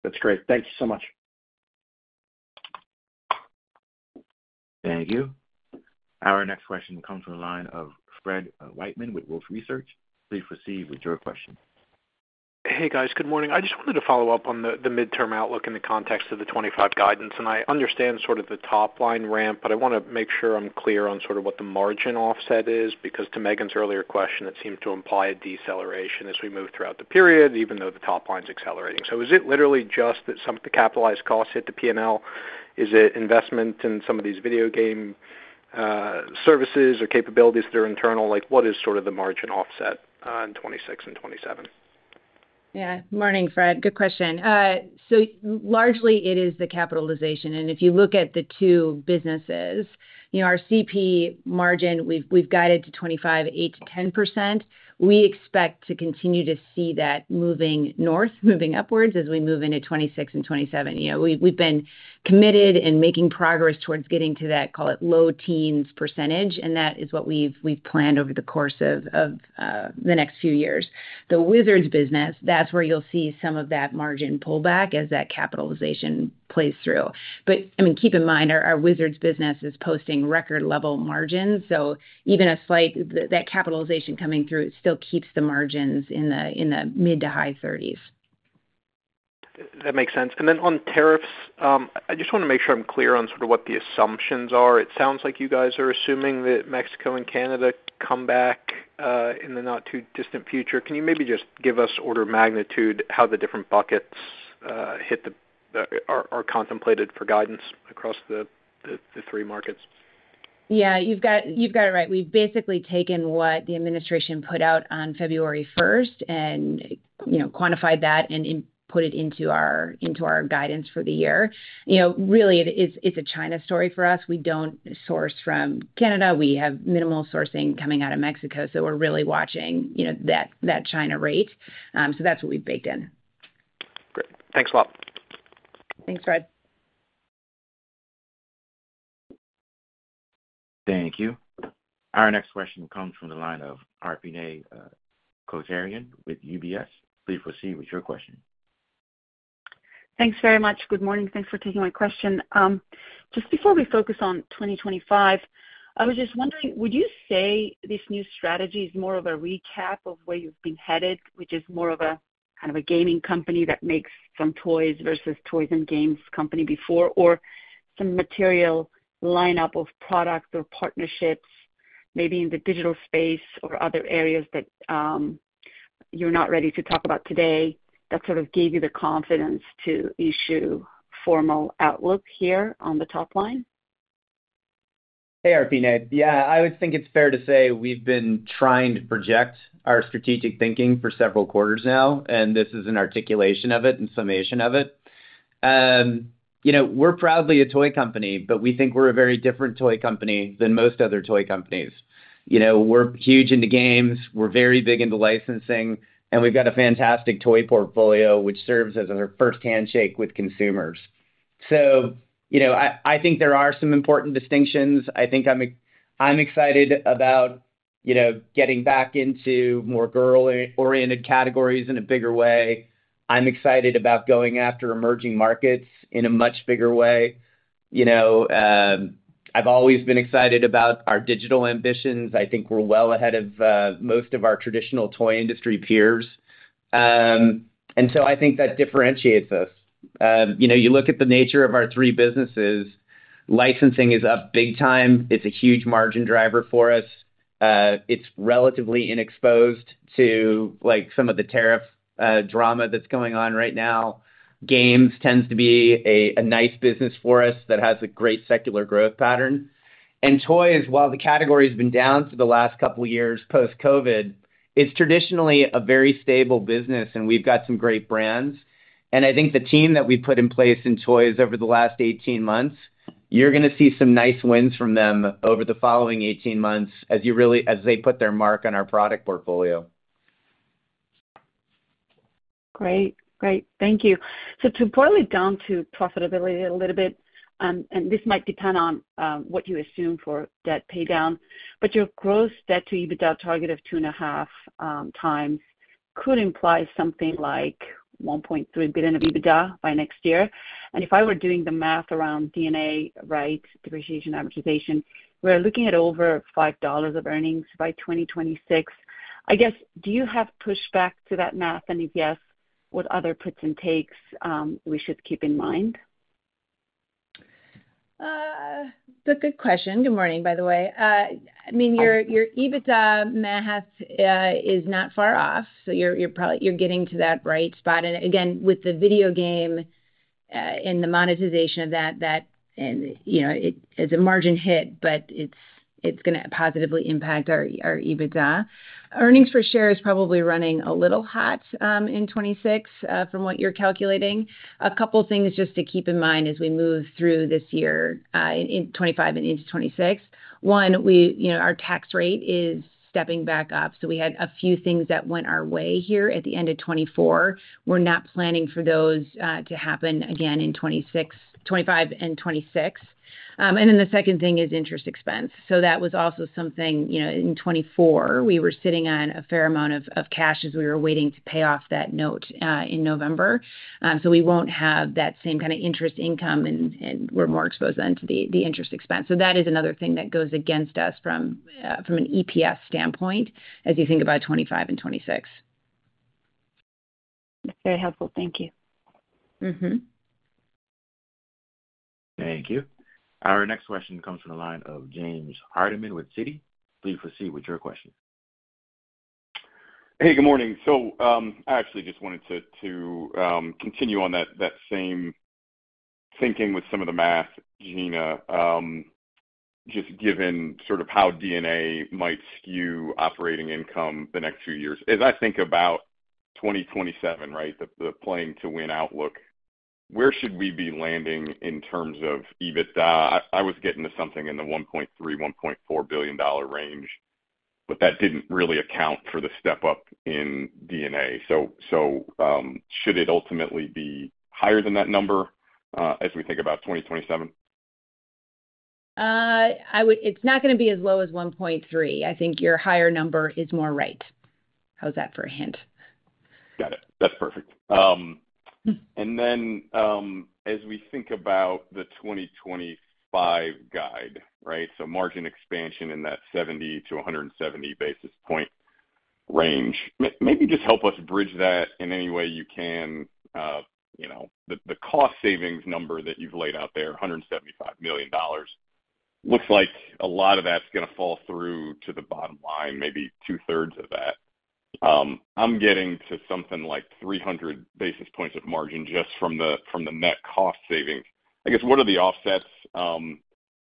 That's great. Thank you so much. Thank you. Our next question comes from the line of Fred Wightman with Wolfe Research. Please proceed with your question. Hey, guys. Good morning. I just wanted to follow up on the midterm outlook in the context of the 2025 guidance. And I understand sort of the top line ramp, but I want to make sure I'm clear on sort of what the margin offset is because to Megan's earlier question, it seemed to imply a deceleration as we move throughout the period, even though the top line's accelerating. So is it literally just that some of the capitalized costs hit the P&L? Is it investment in some of these video game services or capabilities that are internal? What is sort of the margin offset in 2026 and 2027? Yeah. Good morning, Fred. Good question. So largely, it is the capitalization. And if you look at the two businesses, our CP margin, we've guided to 25%, 8%-10%. We expect to continue to see that moving north, moving upwards as we move into 2026 and 2027. We've been committed and making progress towards getting to that, call it low teens %, and that is what we've planned over the course of the next few years. The Wizards business, that's where you'll see some of that margin pullback as that capitalization plays through. But I mean, keep in mind, our Wizards business is posting record-level margins. So even a slight that capitalization coming through still keeps the margins in the mid- to high-30s%. That makes sense. And then on tariffs, I just want to make sure I'm clear on sort of what the assumptions are. It sounds like you guys are assuming that Mexico and Canada come back in the not-too-distant future. Can you maybe just give us order of magnitude how the different buckets are contemplated for guidance across the three markets? Yeah. You've got it right. We've basically taken what the administration put out on February 1st and quantified that and put it into our guidance for the year. Really, it's a China story for us. We don't source from Canada. We have minimal sourcing coming out of Mexico. So we're really watching that China rate. So that's what we've baked in. Great. Thanks a lot. Thanks, Fred. Thank you. Our next question comes from the line of Arpine Kocharyan with UBS. Please proceed with your question. Thanks very much. Good morning. Thanks for taking my question. Just before we focus on 2025, I was just wondering, would you say this new strategy is more of a recap of where you've been headed, which is more of a kind of a gaming company that makes some toys versus toys and games company before, or some material lineup of products or partnerships, maybe in the digital space or other areas that you're not ready to talk about today that sort of gave you the confidence to issue formal outlook here on the top line? Hey, Arpine. Yeah. I would think it's fair to say we've been trying to project our strategic thinking for several quarters now, and this is an articulation of it and summation of it. We're proudly a toy company, but we think we're a very different toy company than most other toy companies. We're huge in the games. We're very big into licensing, and we've got a fantastic toy portfolio, which serves as our first handshake with consumers. So I think there are some important distinctions. I think I'm excited about getting back into more girl-oriented categories in a bigger way. I'm excited about going after emerging markets in a much bigger way. I've always been excited about our digital ambitions. I think we're well ahead of most of our traditional toy industry peers. And so I think that differentiates us. You look at the nature of our three businesses. Licensing is up big time. It's a huge margin driver for us. It's relatively inexposed to some of the tariff drama that's going on right now. Games tends to be a nice business for us that has a great secular growth pattern. Toys, while the category has been down for the last couple of years post-COVID, is traditionally a very stable business, and we've got some great brands. I think the team that we've put in place in toys over the last 18 months, you're going to see some nice wins from them over the following 18 months as they put their mark on our product portfolio. Great. Great. Thank you. To boil it down to profitability a little bit, and this might depend on what you assume for that paydown, but your gross debt-to-EBITDA target of two and a half times could imply something like $1.3 billion of EBITDA by next year. If I were doing the math around D&A, right, depreciation, amortization, we're looking at over $5 of earnings by 2026. I guess, do you have pushback to that math? And if yes, what other puts and takes we should keep in mind? That's a good question. Good morning, by the way. I mean, your EBITDA math is not far off. So you're getting to that right spot. And again, with the video game and the monetization of that, it's a margin hit, but it's going to positively impact our EBITDA. Earnings per share is probably running a little hot in 2026 from what you're calculating. A couple of things just to keep in mind as we move through this year in 2025 and into 2026. One, our tax rate is stepping back up. So we had a few things that went our way here at the end of 2024. We're not planning for those to happen again in 2025 and 2026. And then the second thing is interest expense. So that was also something in 2024, we were sitting on a fair amount of cash as we were waiting to pay off that note in November. So we won't have that same kind of interest income, and we're more exposed then to the interest expense. So that is another thing that goes against us from an EPS standpoint as you think about 2025 and 2026. That's very helpful. Thank you. Thank you. Our next question comes from the line of James Hardiman with Citi. Please proceed with your question. Hey, good morning. So I actually just wanted to continue on that same thinking with some of the math, Gina, just given sort of how D&A might skew operating income the next few years. As I think about 2027, right, the Playing to Win outlook, where should we be landing in terms of EBITDA? I was getting to something in the $1.3-$1.4 billion range, but that didn't really account for the step up in DNA. So should it ultimately be higher than that number as we think about 2027? It's not going to be as low as 1.3. I think your higher number is more right. How's that for a hint? Got it. That's perfect. And then as we think about the 2025 guide, right, so margin expansion in that 70-170 basis point range, maybe just help us bridge that in any way you can. The cost savings number that you've laid out there, $175 million, looks like a lot of that's going to fall through to the bottom line, maybe two-thirds of that. I'm getting to something like 300 basis points of margin just from the net cost savings. I guess, what are the offsets?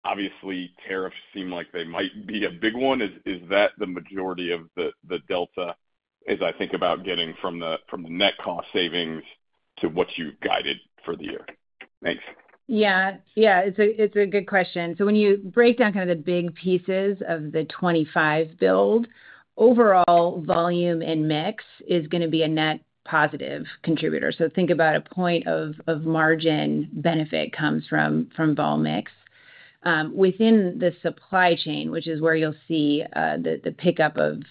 Obviously, tariffs seem like they might be a big one. Is that the majority of the delta as I think about getting from the net cost savings to what you've guided for the year? Thanks. Yeah. Yeah. It's a good question. So when you break down kind of the big pieces of the '25 build, overall volume and mix is going to be a net positive contributor. So think about a point of margin benefit comes from volume mix within the supply chain, which is where you'll see the pickup of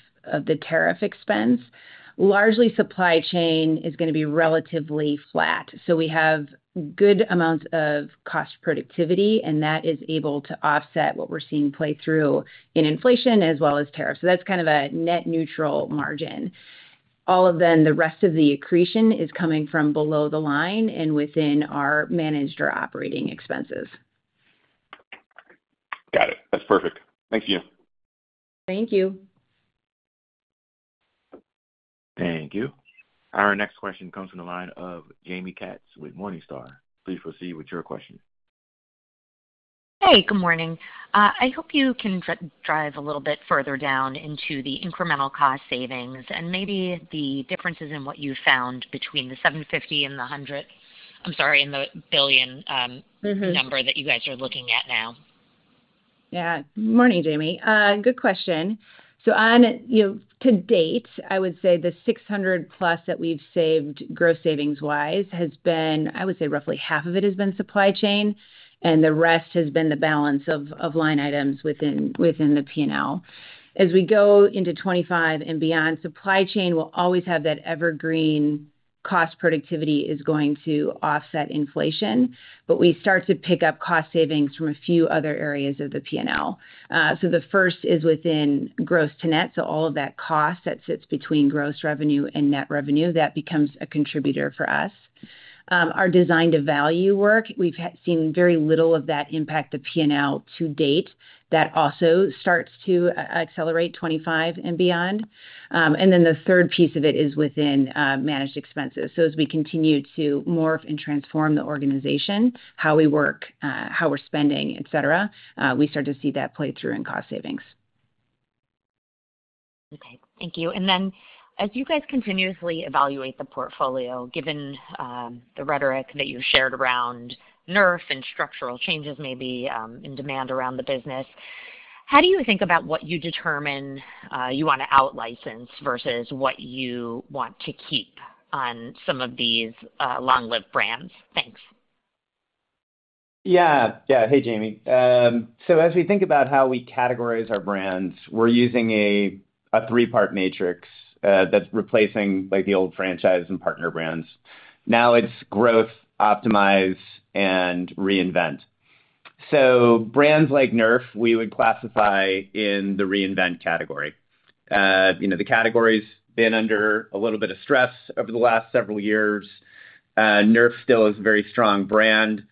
the tariff expense. Largely, supply chain is going to be relatively flat. So we have good amounts of cost productivity, and that is able to offset what we're seeing play through in inflation as well as tariffs. So that's kind of a net neutral margin. All of them, the rest of the accretion is coming from below the line and within our managed or operating expenses. Got it. That's perfect. Thanks, Gina. Thank you. Thank you. Our next question comes from the line of Jaime Katz with Morningstar. Please proceed with your question. Hey, good morning. I hope you can drill a little bit further down into the incremental cost savings and maybe the differences in what you found between the 750 and the 1 billion number that you guys are looking at now. Yeah. Good morning, Jaime. Good question. So to date, I would say the 600-plus that we've saved gross savings-wise has been, I would say roughly half of it has been supply chain, and the rest has been the balance of line items within the P&L. As we go into 2025 and beyond, supply chain will always have that evergreen cost productivity is going to offset inflation, but we start to pick up cost savings from a few other areas of the P&L. So the first is within gross to net. So all of that cost that sits between gross revenue and net revenue, that becomes a contributor for us. Our design-to-value work, we've seen very little of that impact the P&L to date. That also starts to accelerate 2025 and beyond. And then the third piece of it is within managed expenses. So as we continue to morph and transform the organization, how we work, how we're spending, etc., we start to see that play through in cost savings. Okay. Thank you. And then as you guys continuously evaluate the portfolio, given the rhetoric that you shared around Nerf and structural changes maybe in demand around the business, how do you think about what you determine you want to out-license versus what you want to keep on some of these long-lived brands? Thanks. Yeah. Yeah. Hey, Jaime. So as we think about how we categorize our brands, we're using a three-part matrix that's replacing the old franchise and partner brands. Now it's growth, optimize, and reinvent. So brands like Nerf, we would classify in the reinvent category. The category's been under a little bit of stress over the last several years. Nerf still is a very strong brand,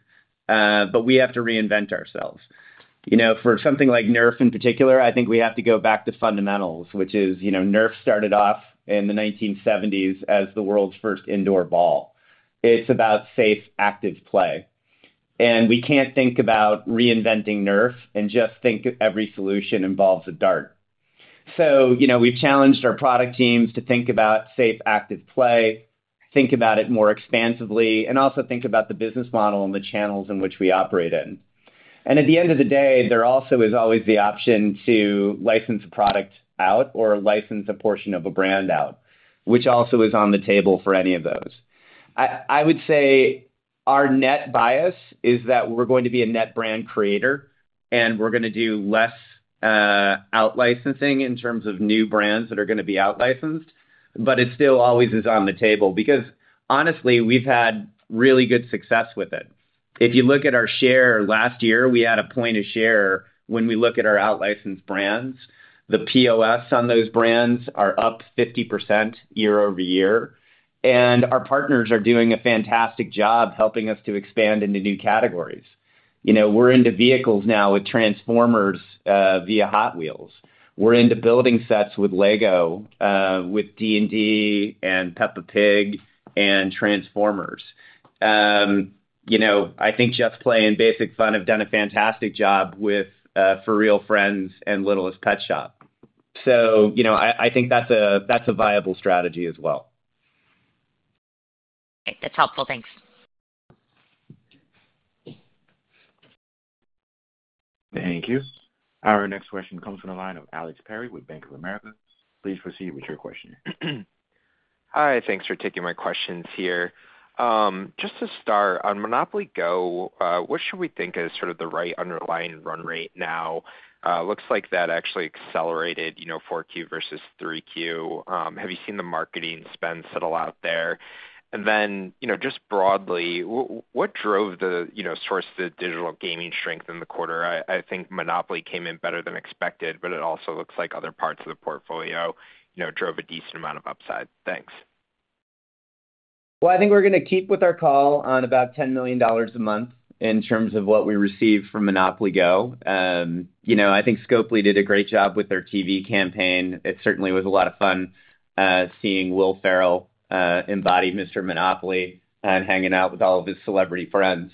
but we have to reinvent ourselves. For something like NERF in particular, I think we have to go back to fundamentals, which is NERF started off in the 1970s as the world's first indoor ball. It's about safe, active play, and we can't think about reinventing NERF and just think every solution involves a dart, so we've challenged our product teams to think about safe, active play, think about it more expansively, and also think about the business model and the channels in which we operate in, and at the end of the day, there also is always the option to license a product out or license a portion of a brand out, which also is on the table for any of those. I would say our net bias is that we're going to be a net brand creator, and we're going to do less out-licensing in terms of new brands that are going to be out-licensed, but it still always is on the table because, honestly, we've had really good success with it. If you look at our share last year, we had a point of share when we look at our out-licensed brands. The POS on those brands are up 50% year over year. And our partners are doing a fantastic job helping us to expand into new categories. We're into vehicles now with Transformers via Hot Wheels. We're into building sets with LEGO with D&D and Peppa Pig and Transformers. I think just playing basic fun have done a fantastic job with furReal Friends and Littlest Pet Shop. So I think that's a viable strategy as well. Okay. That's helpful. Thanks. Thank you. Our next question comes from the line of Alex Perry with Bank of America. Please proceed with your question. Hi. Thanks for taking my questions here. Just to start, on Monopoly Go!, what should we think is sort of the right underlying run rate now? Looks like that actually accelerated 4Q versus 3Q. Have you seen the marketing spend settle out there? And then just broadly, what drove the source of the digital gaming strength in the quarter? I think Monopoly came in better than expected, but it also looks like other parts of the portfolio drove a decent amount of upside. Thanks. Well, I think we're going to keep with our call on about $10 million a month in terms of what we receive from Monopoly Go!. I think Scopely did a great job with their TV campaign. It certainly was a lot of fun seeing Will Ferrell embody Mr. Monopoly and hanging out with all of his celebrity friends.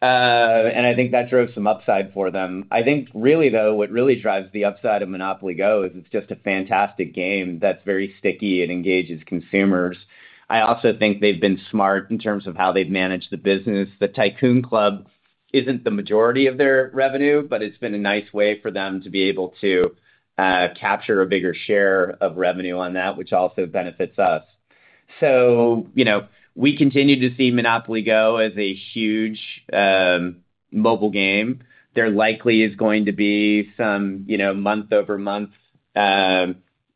And I think that drove some upside for them. I think, really, though, what really drives the upside of Monopoly Go is it's just a fantastic game that's very sticky and engages consumers. I also think they've been smart in terms of how they've managed the business. The Tycoon Club isn't the majority of their revenue, but it's been a nice way for them to be able to capture a bigger share of revenue on that, which also benefits us. So we continue to see Monopoly Go as a huge mobile game. There likely is going to be some month-over-month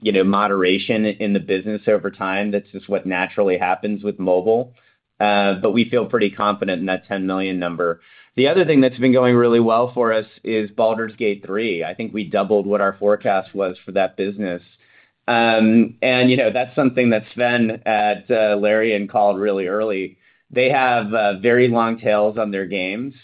moderation in the business over time. That's just what naturally happens with mobile. But we feel pretty confident in that 10 million number. The other thing that's been going really well for us is Baldur's Gate 3. I think we doubled what our forecast was for that business. And that's something that Sven at Larian called really early. They have very long tails on their games.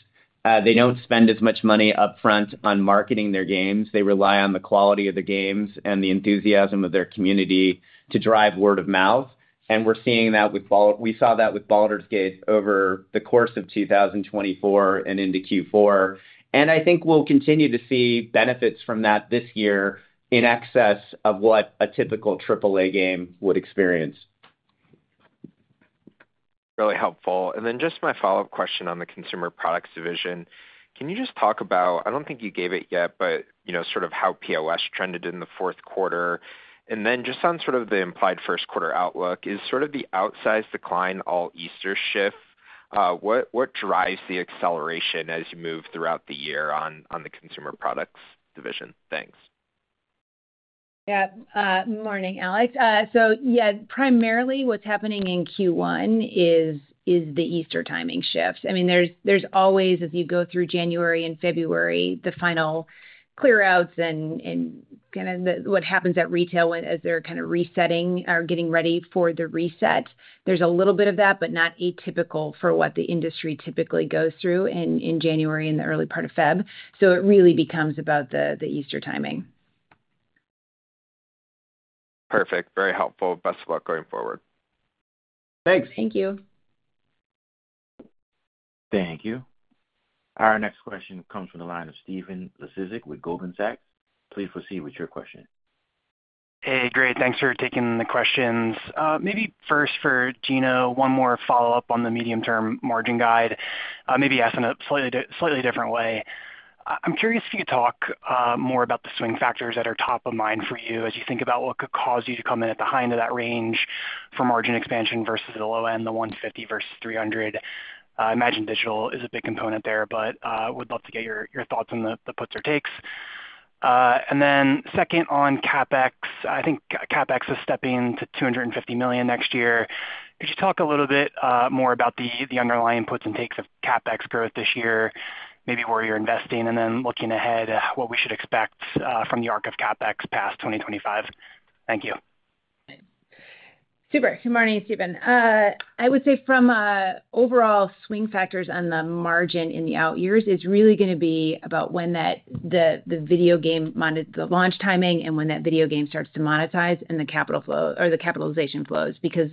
They don't spend as much money upfront on marketing their games. They rely on the quality of the games and the enthusiasm of their community to drive word of mouth. And we're seeing that with Baldur's Gate over the course of 2024 and into Q4. And I think we'll continue to see benefits from that this year in excess of what a typical AAA game would experience. Really helpful. And then just my follow-up question on the consumer products division. Can you just talk about, I don't think you gave it yet, but sort of how POS trended in the Q4? And then just on sort of the implied Q1 outlook, is sort of the outsized decline all Easter shift? What drives the acceleration as you move throughout the year on the consumer products division? Thanks. Yeah. Good morning, Alex. So yeah, primarily what's happening in Q1 is the Easter timing shifts. I mean, there's always, as you go through January and February, the final clearouts and kind of what happens at retail as they're kind of resetting or getting ready for the reset. There's a little bit of that, but not atypical for what the industry typically goes through in January and the early part of February. So it really becomes about the Easter timing. Perfect. Very helpful. Best of luck going forward. Thanks. Thank you. Thank you. Our next question comes from the line of Stephen Laszczyk with Goldman Sachs. Please proceed with your question. Hey, great. Thanks for taking the questions. Maybe first for Gina, one more follow-up on the medium-term margin guide, maybe asked in a slightly different way. I'm curious if you could talk more about the swing factors that are top of mind for you as you think about what could cause you to come in at the high end of that range for margin expansion versus the low end, the 150 versus 300. I imagine digital is a big component there, but would love to get your thoughts on the puts or takes. And then second on CapEx, I think CapEx is stepping to $250 million next year. Could you talk a little bit more about the underlying puts and takes of CapEx growth this year, maybe where you're investing, and then looking ahead at what we should expect from the arc of CapEx past 2025? Thank you. Super. Good morning, Stephen. I would say from overall swing factors on the margin in the out years is really going to be about when the video game launch timing and when that video game starts to monetize and the capitalization flows because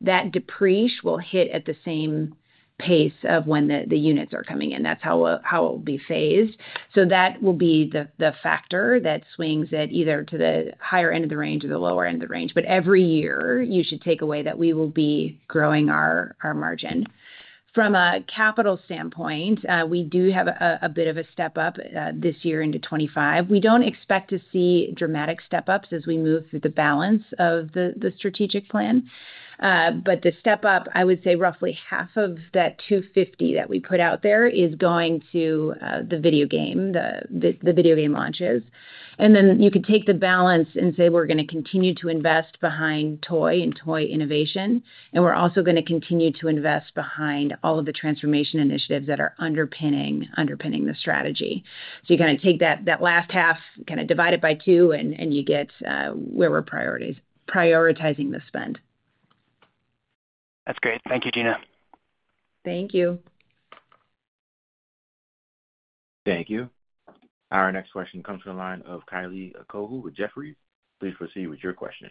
that depreciation will hit at the same pace of when the units are coming in. That's how it will be phased. So that will be the factor that swings at either to the higher end of the range or the lower end of the range. But every year, you should take away that we will be growing our margin. From a capital standpoint, we do have a bit of a step up this year into 2025. We don't expect to see dramatic step-ups as we move through the balance of the strategic plan. But the step-up, I would say roughly half of that 250 that we put out there is going to the video game launches. And then you could take the balance and say, "We're going to continue to invest behind toy and toy innovation. And we're also going to continue to invest behind all of the transformation initiatives that are underpinning the strategy." So you kind of take that last half, kind of divide it by two, and you get where we're prioritizing the spend. That's great. Thank you, Gina. Thank you. Thank you. Our next question comes from the line of Kylie Cohu with Jefferies. Please proceed with your question.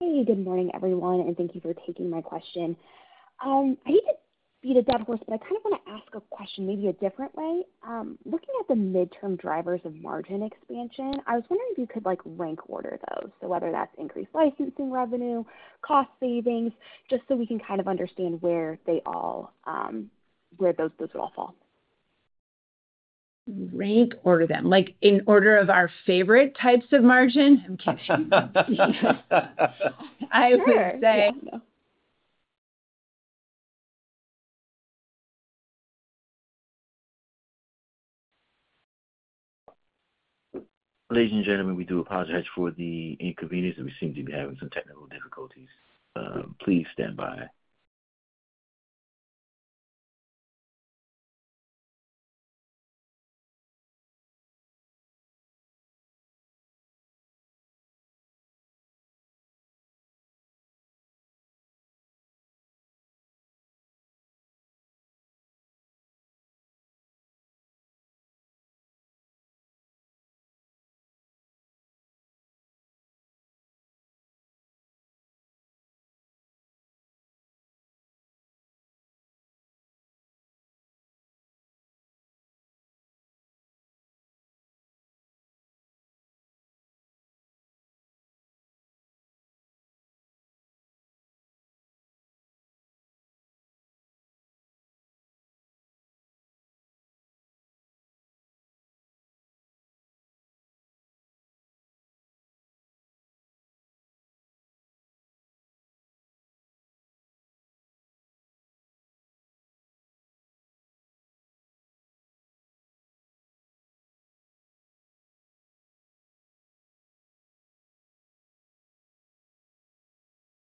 Hey, good morning, everyone. And thank you for taking my question. I hate to beat a dead horse, but I kind of want to ask a question maybe a different way. Looking at the midterm drivers of margin expansion, I was wondering if you could rank order those. So whether that's increased licensing revenue, cost savings, just so we can kind of understand where those would all fall. Rank order them. In order of our favorite types of margin? I'm kidding. I would say. Ladies and gentlemen, we do apologize for the inconvenience. We seem to be having some technical difficulties. Please stand by.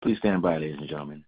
Please stand by, ladies and gentlemen.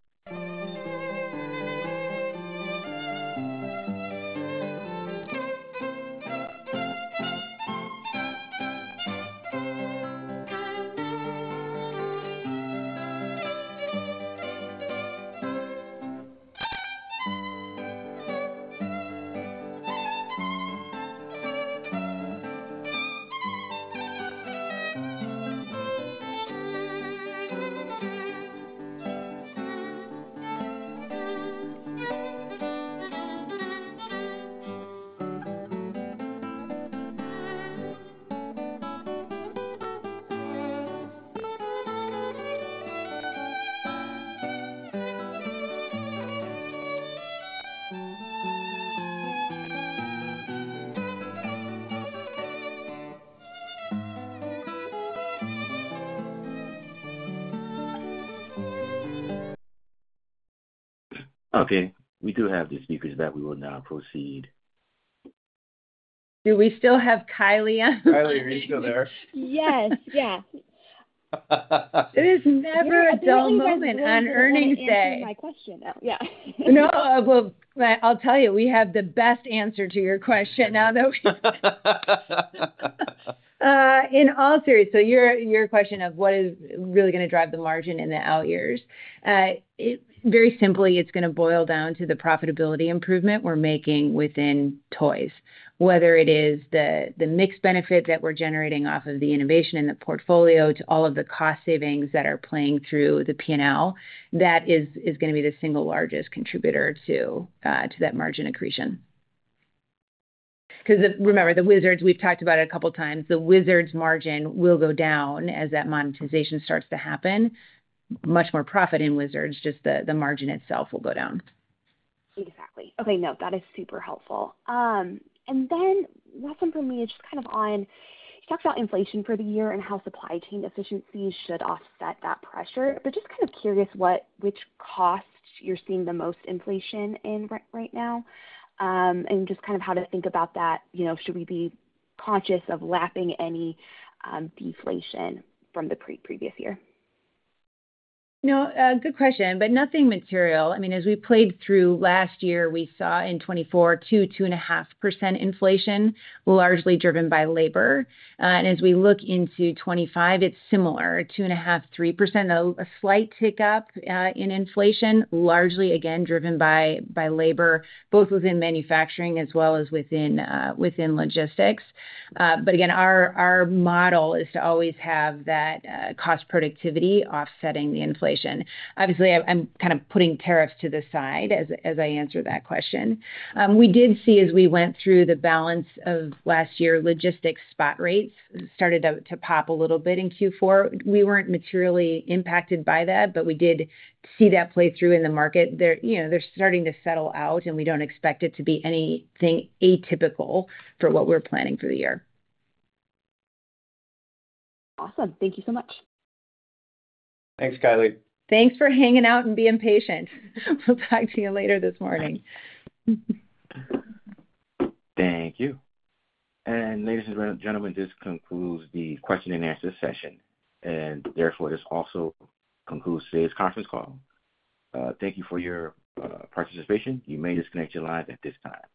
Okay. We do have the speakers that we will now proceed. Do we still have Kylie? Kylie, are you still there? Yes. Yeah. It is never a dull moment on earnings day. My question. Yeah. No, I'll tell you, we have the best answer to your question now that we—In all seriousness, so your question of what is really going to drive the margin in the out years? Very simply, it's going to boil down to the profitability improvement we're making within toys. Whether it is the mix benefit that we're generating off of the innovation and the portfolio to all of the cost savings that are playing through the P&L, that is going to be the single largest contributor to that margin accretion. Because remember, the Wizards, we've talked about it a couple of times. The Wizards' margin will go down as that monetization starts to happen. Much more profit in Wizards, just the margin itself will go down. Exactly. Okay. No, that is super helpful. And then last one for me is just kind of on-you talked about inflation for the year and how supply chain efficiencies should offset that pressure. But just kind of curious which costs you're seeing the most inflation in right now and just kind of how to think about that. Should we be conscious of lapping any deflation from the previous year? No, good question, but nothing material. I mean, as we played through last year, we saw in 2024, 2-2.5% inflation, largely driven by labor. And as we look into 2025, it's similar, 2.5-3%, a slight tick up in inflation, largely, again, driven by labor, both within manufacturing as well as within logistics. But again, our model is to always have that cost productivity offsetting the inflation. Obviously, I'm kind of putting tariffs to the side as I answer that question. We did see, as we went through the balance of last year, logistics spot rates started to pop a little bit in Q4. We weren't materially impacted by that, but we did see that play through in the market. They're starting to settle out, and we don't expect it to be anything atypical for what we're planning for the year. Awesome. Thank you so much. Thanks, Kylie. Thanks for hanging out and being patient. We'll talk to you later this morning. Thank you. And ladies and gentlemen, this concludes the question and answer session. And therefore, this also concludes today's conference call. Thank you for your participation. You may disconnect your lines at this time.